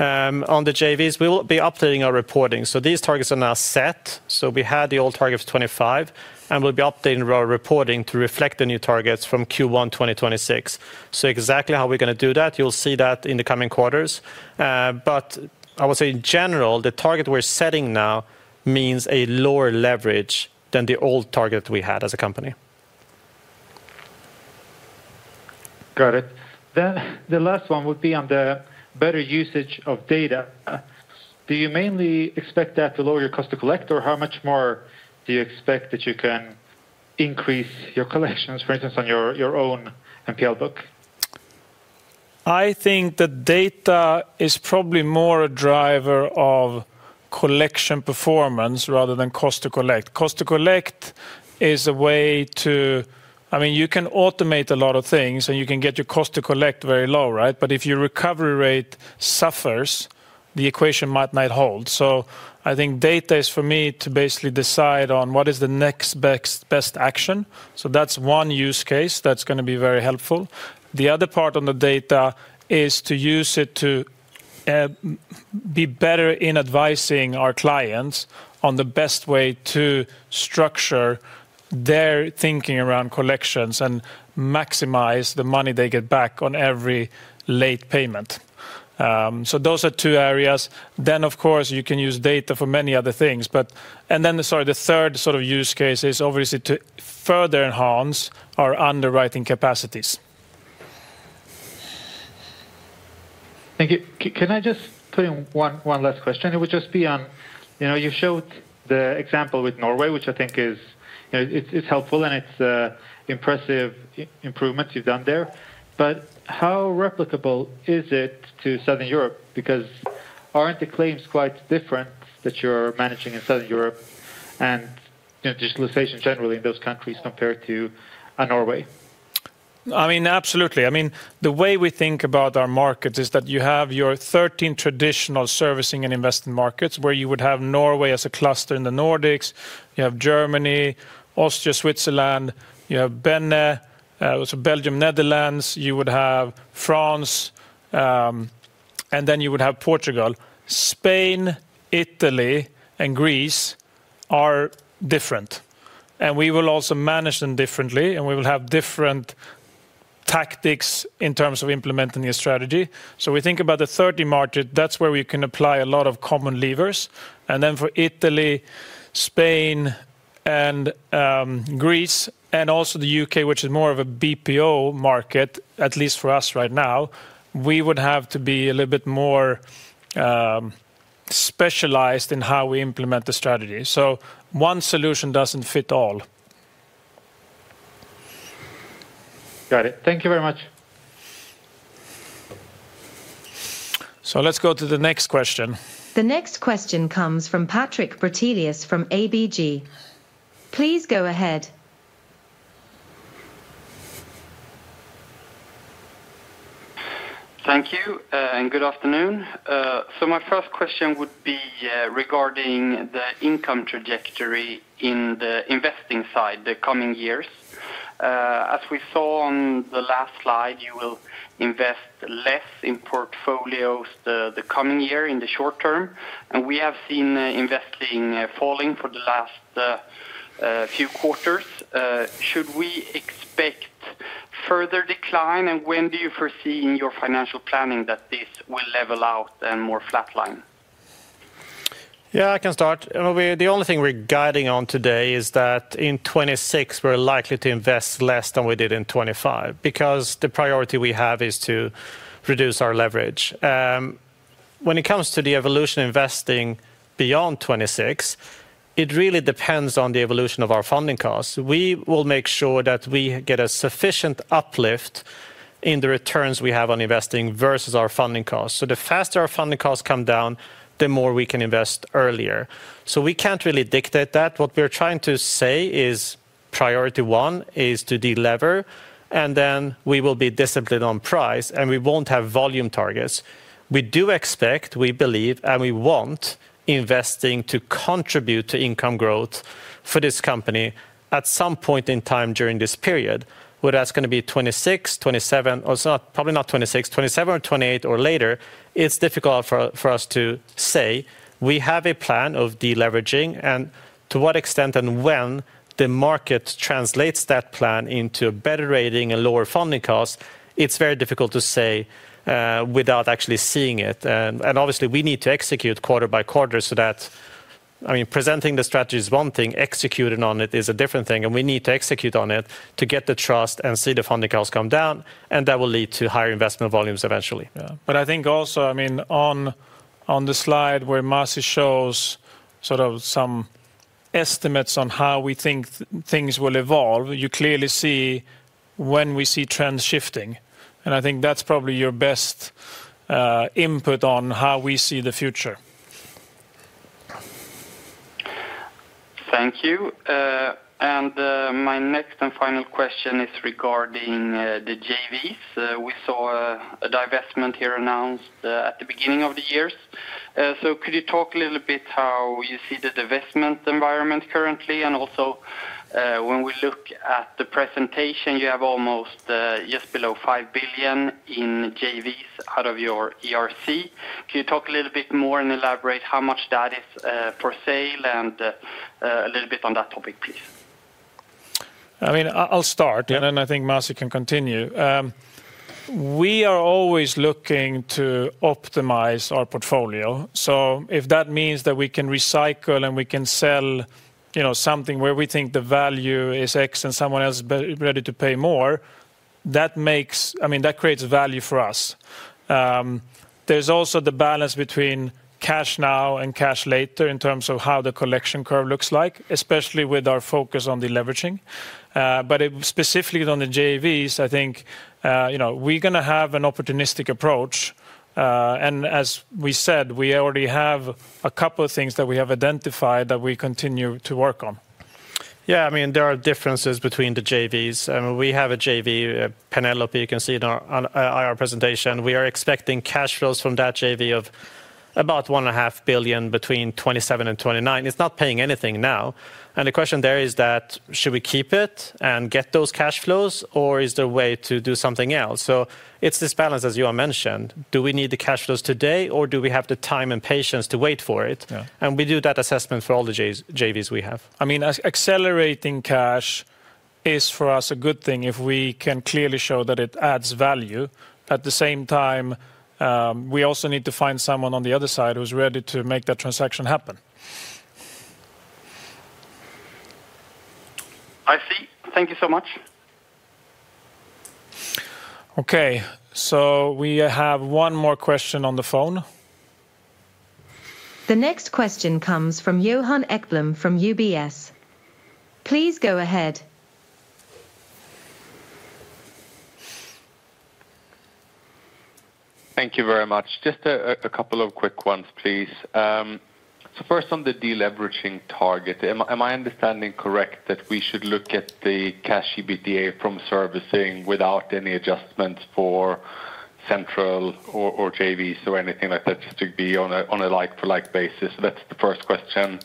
On the JVs, we will be updating our reporting. So these targets are now set. So we had the old target of 2025, and we'll be updating our reporting to reflect the new targets from Q1 2026. So exactly how we're gonna do that, you'll see that in the coming quarters. But I would say in general, the target we're setting now means a lower leverage than the old target we had as a company.... Got it. Then the last one would be on the better usage of data. Do you mainly expect that to lower your cost to collect? Or how much more do you expect that you can increase your collections, for instance, on your, your own NPL book? I think the data is probably more a driver of collection performance rather than cost to collect. Cost to collect is a way to, I mean, you can automate a lot of things, and you can get your cost to collect very low, right? But if your recovery rate suffers, the equation might not hold. So I think data is for me to basically decide on what is the next best, best action. So that's one use case that's gonna be very helpful. The other part on the data is to use it to be better in advising our clients on the best way to structure their thinking around collections and maximize the money they get back on every late payment. So those are two areas. Then, of course, you can use data for many other things, but... And then, sorry, the third sort of use case is obviously to further enhance our underwriting capacities. Thank you. Can I just put in one last question? It would just be on, you know, you showed the example with Norway, which I think is, you know, it's helpful, and it's an impressive improvement you've done there. But how replicable is it to Southern Europe? Because aren't the claims quite different that you're managing in Southern Europe and, you know, digitalization generally in those countries compared to Norway? I mean, absolutely. I mean, the way we think about our markets is that you have your 13 traditional Servicing and Investing markets, where you would have Norway as a cluster in the Nordics. You have Germany, Austria, Switzerland, you have Bene, so Belgium, Netherlands, you would have France, and then you would have Portugal. Spain, Italy, and Greece are different, and we will also manage them differently, and we will have different tactics in terms of implementing the strategy. So we think about the 13 market, that's where we can apply a lot of common levers. And then for Italy, Spain, and Greece, and also the U.K., which is more of a BPO market, at least for us right now, we would have to be a little bit more specialized in how we implement the strategy. So one solution doesn't fit all. Got it. Thank you very much. Let's go to the next question. The next question comes from Patrik Brattelius from ABG. Please go ahead. Thank you, and good afternoon. My first question would be regarding the income trajectory in the Investing side the coming years. As we saw on the last slide, you will invest less in portfolios the, the coming year, in the short term, and we have seen Investing falling for the last few quarters. Should we expect further decline, and when do you foresee in your financial planning that this will level out and more flatline? Yeah, I can start. The only thing we're guiding on today is that in 2026, we're likely to invest less than we did in 2025 because the priority we have is to reduce our leverage. When it comes to the evolution investing beyond 2026, it really depends on the evolution of our funding costs. We will make sure that we get a sufficient uplift in the returns we have on Investing versus our funding costs. So the faster our funding costs come down, the more we can invest earlier. So we can't really dictate that. What we're trying to say is, priority one is to delever, and then we will be disciplined on price, and we won't have volume targets. We do expect, we believe, and we want Investing to contribute to income growth for this company at some point in time during this period. Whether that's gonna be 2026, 2027, or it's not, probably not 2026, 2027 or 2028 or later, it's difficult for, for us to say. We have a plan of deleveraging, and to what extent and when the market translates that plan into a better rating and lower funding costs, it's very difficult to say, without actually seeing it. And obviously, we need to execute quarter by quarter so that... I mean, presenting the strategy is one thing, executing on it is a different thing, and we need to execute on it to get the trust and see the funding costs come down, and that will lead to higher investment volumes eventually. Yeah. But I think also, I mean, on the slide where Masih shows sort of some estimates on how we think things will evolve, you clearly see when we see trends shifting, and I think that's probably your best input on how we see the future. Thank you. And my next and final question is regarding the JVs. We saw a divestment here announced at the beginning of the year. So could you talk a little bit how you see the divestment environment currently? And also, when we look at the presentation, you have almost just below 5 billion in JVs out of your ERC. Can you talk a little bit more and elaborate how much that is for sale and a little bit on that topic, please? I mean, I'll start- Yeah... and then I think Masih can continue. We are always looking to optimize our portfolio. So if that means that we can recycle and we can sell, you know, something where we think the value is X and someone else is ready to pay more, that makes, I mean, that creates value for us. There's also the balance between cash now and cash later in terms of how the collection curve looks like, especially with our focus on deleveraging. But it, specifically on the JVs, I think, you know, we're gonna have an opportunistic approach. And as we said, we already have a couple of things that we have identified that we continue to work on. Yeah, I mean, there are differences between the JVs. I mean, we have a JV, Penelope, you can see on our presentation. We are expecting cash flows from that JV of about 1.5 billion between 2027 and 2029. It's not paying anything now, and the question there is that, should we keep it and get those cash flows, or is there a way to do something else? So it's this balance, as Johan mentioned, do we need the cash flows today, or do we have the time and patience to wait for it? Yeah. And we do that assessment for all the JVs, JVs we have. I mean, as accelerating cash is, for us, a good thing, if we can clearly show that it adds value. At the same time, we also need to find someone on the other side who's ready to make that transaction happen. I see. Thank you so much. Okay, so we have one more question on the phone. The next question comes from Johan Ekblom from UBS. Please go ahead. Thank you very much. Just a couple of quick ones, please. So first, on the deleveraging target, am I understanding correct, that we should look at the cash EBITDA from Servicing without any adjustments for central or JVs or anything like that, just to be on a like-for-like basis? That's the first question.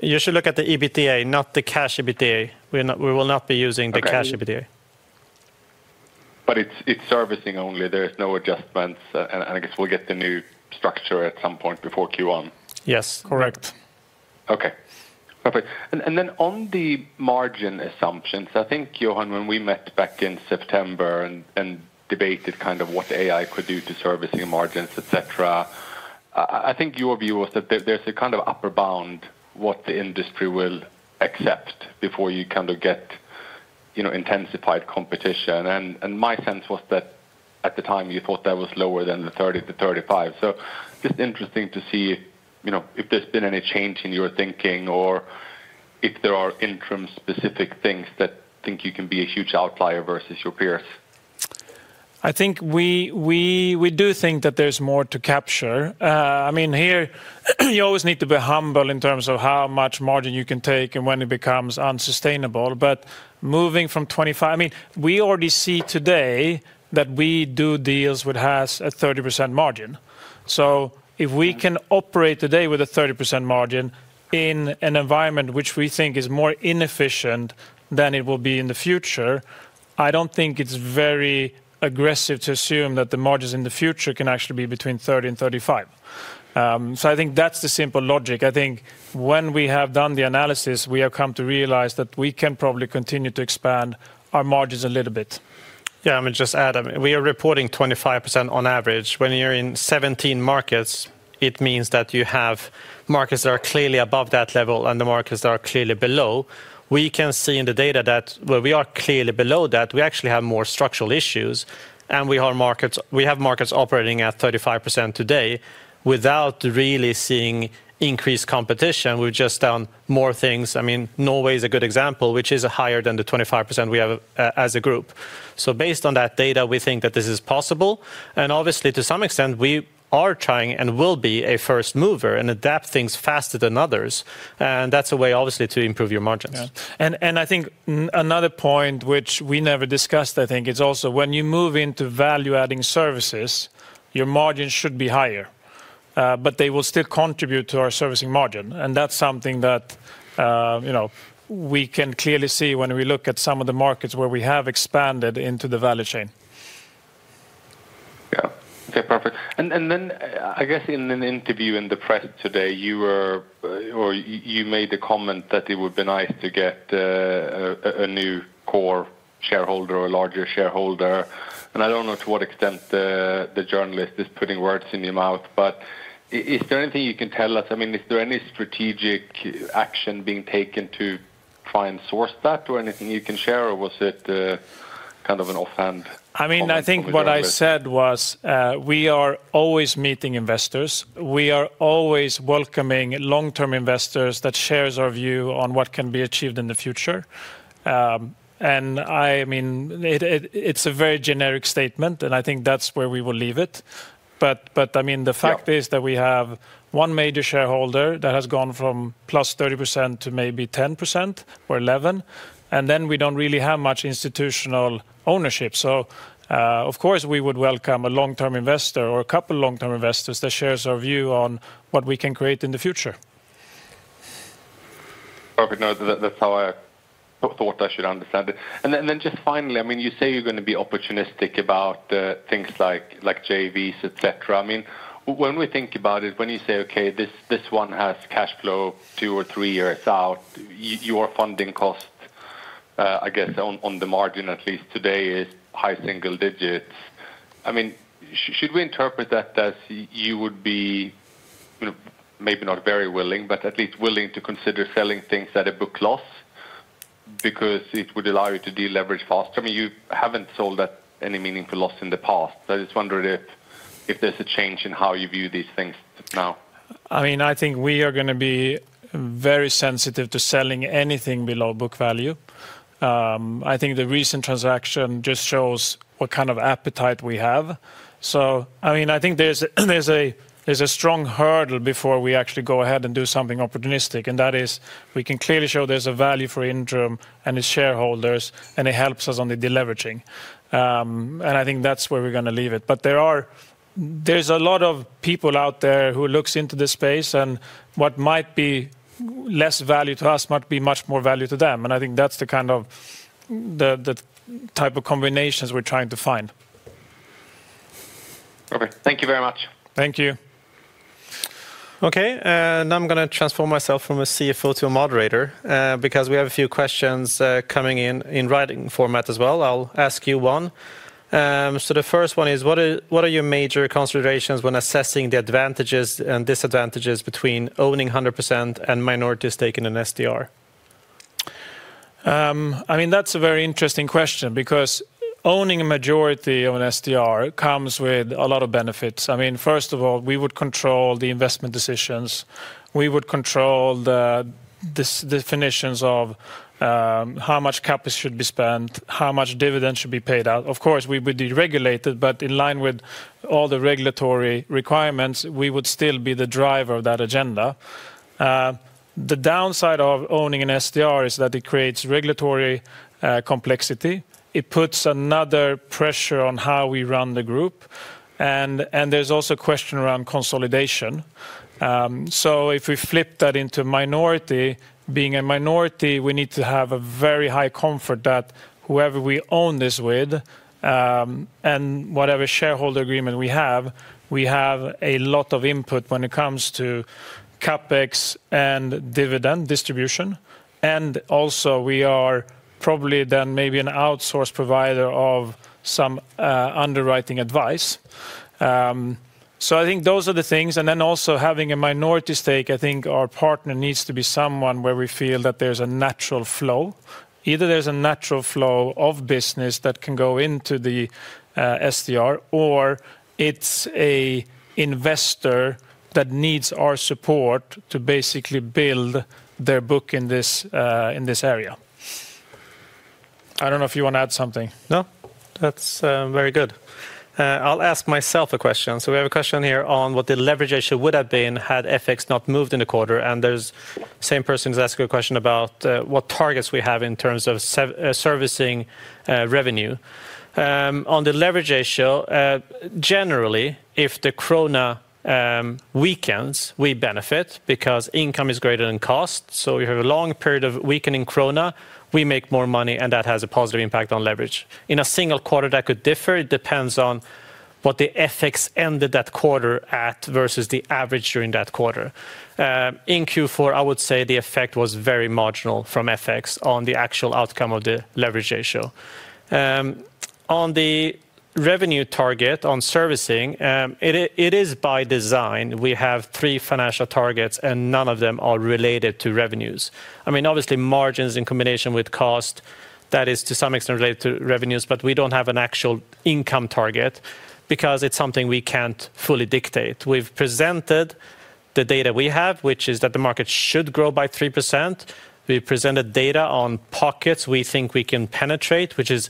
You should look at the EBITDA, not the cash EBITDA. We will not be using the cash EBITDA. Okay. But it's Servicing only, there is no adjustments, and I guess we'll get the new structure at some point before Q1. Yes, correct. Okay, perfect. And then on the margin assumptions, I think, Johan, when we met back in September and debated kind of what AI could do to Servicing margins, et cetera, I think your view was that there's a kind of upper bound what the industry will accept before you kind of get, you know, intensified competition. And my sense was that, at the time, you thought that was lower than the 30%-35%. So just interesting to see, you know, if there's been any change in your thinking or if there are interim specific things that you think you can be a huge outlier versus your peers. I think we do think that there's more to capture. I mean, here, you always need to be humble in terms of how much margin you can take and when it becomes unsustainable. But moving from 25... I mean, we already see today that we do deals which has a 30% margin. So if we can operate today with a 30% margin in an environment which we think is more inefficient than it will be in the future, I don't think it's very aggressive to assume that the margins in the future can actually be between 30% and 35%. So I think that's the simple logic. I think when we have done the analysis, we have come to realize that we can probably continue to expand our margins a little bit. Yeah, let me just add, we are reporting 25% on average. When you're in 17 markets, it means that you have markets that are clearly above that level, and the markets are clearly below. We can see in the data that where we are clearly below that, we actually have more structural issues, and we have markets operating at 35% today, without really seeing increased competition. We've just done more things. I mean, Norway is a good example, which is higher than the 25% we have as a group. So based on that data, we think that this is possible. And obviously, to some extent, we are trying and will be a first mover and adapt things faster than others, and that's a way, obviously, to improve your margins. Yeah. And I think another point which we never discussed, I think, is also when you move into value-adding services, your margins should be higher, but they will still contribute to our Servicing margin. And that's something that, you know, we can clearly see when we look at some of the markets where we have expanded into the value chain. Yeah. Okay, perfect. And then, I guess in an interview in the press today, you were... Or you made a comment that it would be nice to get a new core shareholder or a larger shareholder, and I don't know to what extent the journalist is putting words in your mouth, but is there anything you can tell us? I mean, is there any strategic action being taken to try and source that, or anything you can share, or was it kind of an offhand comment? I mean, I think what I said was, we are always meeting investors. We are always welcoming long-term investors that shares our view on what can be achieved in the future. And I mean, it's a very generic statement, and I think that's where we will leave it. But I mean, the fact- Yeah... is that we have one major shareholder that has gone from +30% to maybe 10% or 11%, and then we don't really have much institutional ownership. So, of course, we would welcome a long-term investor or a couple long-term investors that shares our view on what we can create in the future. Okay, no, that, that's how I thought I should understand it. And then, then just finally, I mean, you say you're gonna be opportunistic about things like, like JVs, et cetera. I mean, when we think about it, when you say, "Okay, this, this one has cash flow two or three years out," your funding costs, I guess on the margin, at least today, is high single digits. I mean, should we interpret that as you would be, you know, maybe not very willing, but at least willing to consider selling things at a book loss because it would allow you to deleverage faster? I mean, you haven't sold at any meaningful loss in the past. I was just wondering if there's a change in how you view these things now? I mean, I think we are gonna be very sensitive to selling anything below book value. I think the recent transaction just shows what kind of appetite we have. So I mean, I think there's a strong hurdle before we actually go ahead and do something opportunistic, and that is, we can clearly show there's a value for Intrum and its shareholders, and it helps us on the deleveraging. I think that's where we're gonna leave it. But there's a lot of people out there who look into this space, and what might be less value to us, might be much more value to them. And I think that's the kind of type of combinations we're trying to find. Okay. Thank you very much. Thank you. Okay, now I'm gonna transform myself from a CFO to a moderator, because we have a few questions, coming in, in writing format as well. I'll ask you one. So the first one is, what are, what are your major considerations when assessing the advantages and disadvantages between owning 100% and minority stake in an STR? I mean, that's a very interesting question, because owning a majority of an STR comes with a lot of benefits. I mean, first of all, we would control the investment decisions. We would control the, the definitions of, how much cap should be spent, how much dividend should be paid out. Of course, we would be regulated, but in line with all the regulatory requirements, we would still be the driver of that agenda. The downside of owning an STR is that it creates regulatory complexity. It puts another pressure on how we run the group, and, and there's also a question around consolidation. So if we flip that into minority, being a minority, we need to have a very high comfort that whoever we own this with, and whatever shareholder agreement we have, we have a lot of input when it comes to CapEx and dividend distribution. And also, we are probably then maybe an outsource provider of some underwriting advice. So I think those are the things, and then also having a minority stake, I think our partner needs to be someone where we feel that there's a natural flow. Either there's a natural flow of business that can go into the STR, or it's a investor that needs our support to basically build their book in this area. I don't know if you wanna add something. No, that's very good. I'll ask myself a question. So we have a question here on what the leverage ratio would have been, had FX not moved in the quarter, and the same person who's asking a question about what targets we have in terms of Servicing revenue. On the leverage ratio, generally, if the krona weakens, we benefit because income is greater than cost. So we have a long period of weakening krona, we make more money, and that has a positive impact on leverage. In a single quarter, that could differ. It depends on what the FX ended that quarter at, versus the average during that quarter. In Q4, I would say the effect was very marginal from FX on the actual outcome of the leverage ratio. On the revenue target on Servicing, it is by design. We have three financial targets, and none of them are related to revenues. I mean, obviously, margins in combination with cost, that is to some extent related to revenues, but we don't have an actual income target because it is something we can't fully dictate. We've presented the data we have, which is that the market should grow by 3%. We presented data on pockets we think we can penetrate, which is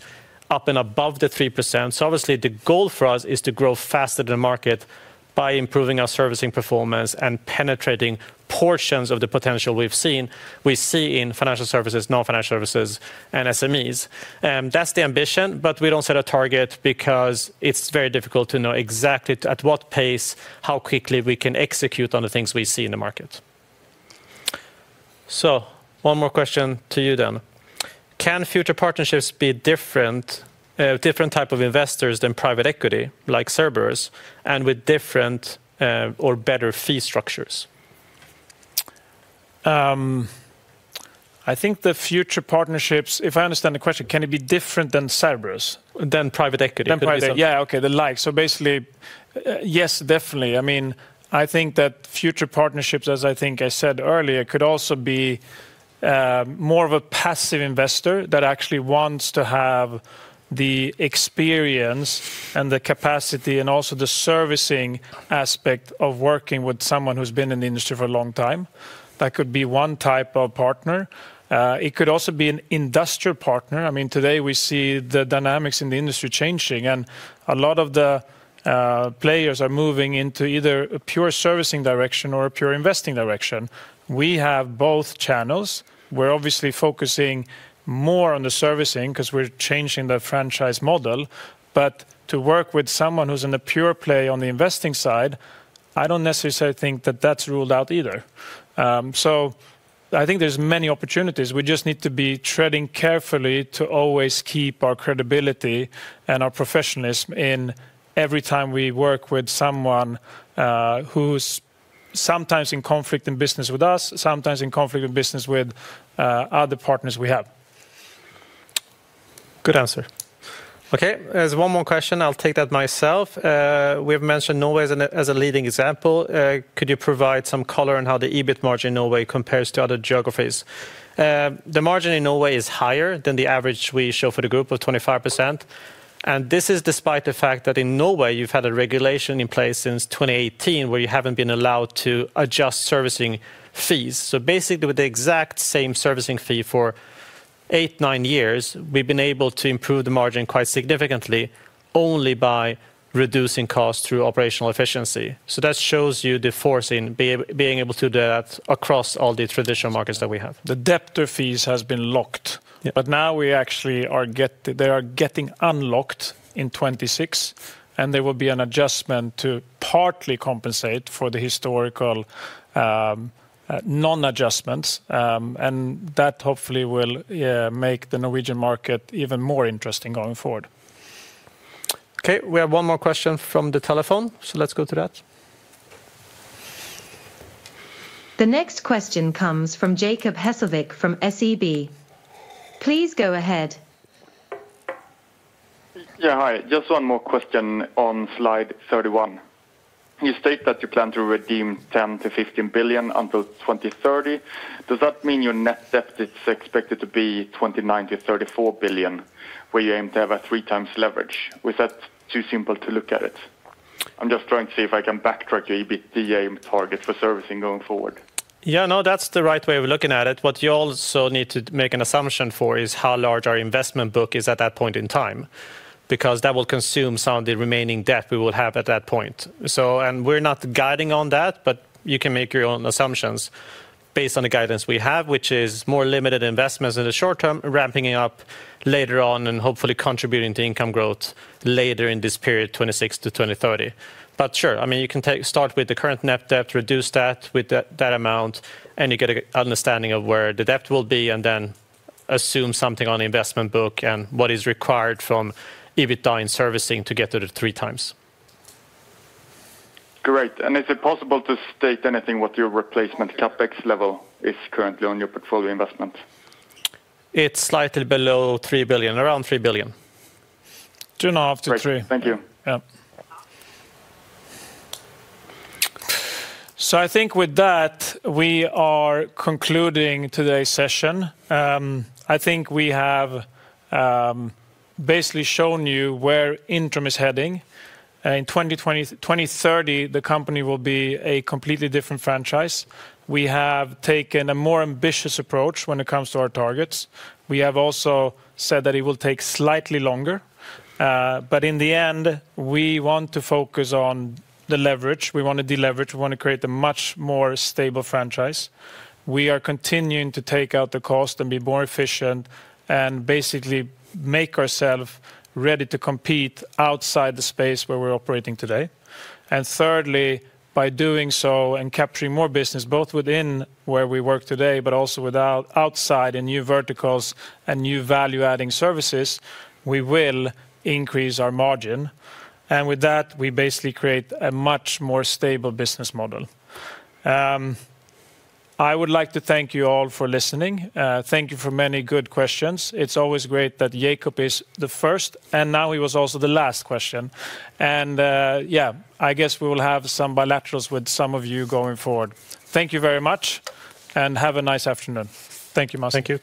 up and above the 3%. So obviously, the goal for us is to grow faster than the market by improving our Servicing performance and penetrating portions of the potential we see in financial services, non-financial services, and SMEs. That's the ambition, but we don't set a target because it's very difficult to know exactly at what pace, how quickly we can execute on the things we see in the market. So one more question to you then. Can future partnerships be different, different type of investors than private equity, like Cerberus, and with different, or better fee structures? I think the future partnerships... If I understand the question, can it be different than Cerberus? Than private equity. So basically, yes, definitely. I mean, I think that future partnerships, as I think I said earlier, could also be more of a passive investor that actually wants to have the experience and the capacity, and also the Servicing aspect of working with someone who's been in the industry for a long time. That could be one type of partner. It could also be an industrial partner. I mean, today, we see the dynamics in the industry changing, and a lot of the players are moving into either a pure Servicing direction or a pure Investing direction. We have both channels. We're obviously focusing more on the Servicing because we're changing the franchise model. But to work with someone who's in a pure play on the Investing side, I don't necessarily think that that's ruled out either. So, I think there's many opportunities. We just need to be treading carefully to always keep our credibility and our professionalism in every time we work with someone who's sometimes in conflict in business with us, sometimes in conflict in business with other partners we have. Good answer. Okay, there's one more question. I'll take that myself. We've mentioned Norway as a leading example. Could you provide some color on how the EBIT margin in Norway compares to other geographies? The margin in Norway is higher than the average we show for the group of 25%, and this is despite the fact that in Norway you've had a regulation in place since 2018, where you haven't been allowed to adjust servicing fees. So basically, with the exact same servicing fee for eight, nine years, we've been able to improve the margin quite significantly only by reducing costs through operational efficiency. So that shows you the force in being able to do that across all the traditional markets that we have. The debtor fees has been locked. Yeah. But now they are actually getting unlocked in 2026, and there will be an adjustment to partly compensate for the historical non-adjustments. And that hopefully will, yeah, make the Norwegian market even more interesting going forward. Okay, we have one more question from the telephone, so let's go to that. The next question comes from Jacob Hesslevik from SEB. Please go ahead. Yeah, hi. Just one more question on slide 31. You state that you plan to redeem 10 billion-15 billion until 2030. Does that mean your net debt is expected to be 29-34 billion, where you aim to have a 3x leverage? Was that too simple to look at it? I'm just trying to see if I can backtrack the EBITDA target for Servicing going forward. Yeah, no, that's the right way of looking at it. What you also need to make an assumption for is how large our investment book is at that point in time, because that will consume some of the remaining debt we will have at that point. So... And we're not guiding on that, but you can make your own assumptions based on the guidance we have, which is more limited investments in the short term, ramping up later on, and hopefully contributing to income growth later in this period, 2026-2030. But sure, I mean, you can start with the current net debt, reduce that with that, that amount, and you get a understanding of where the debt will be, and then assume something on the investment book and what is required from EBITDA and Servicing to get to the 3x. Great. Is it possible to state anything what your replacement CapEx level is currently on your portfolio investment? It's slightly below 3 billion, around 3 billion. 2.5 to 3. Great. Thank you. Yeah. So I think with that, we are concluding today's session. I think we have basically shown you where Intrum is heading. In 2020, 2030, the company will be a completely different franchise. We have taken a more ambitious approach when it comes to our targets. We have also said that it will take slightly longer, but in the end, we want to focus on the leverage. We want to deleverage. We want to create a much more stable franchise. We are continuing to take out the cost and be more efficient, and basically make ourselves ready to compete outside the space where we're operating today. And thirdly, by doing so and capturing more business, both within where we work today, but also outside, in new verticals and new value-adding services, we will increase our margin. And with that, we basically create a much more stable business model. I would like to thank you all for listening. Thank you for many good questions. It's always great that Jacob is the first, and now he was also the last question. And, yeah, I guess we will have some bilaterals with some of you going forward. Thank you very much, and have a nice afternoon. Thank you, Masih. Thank you.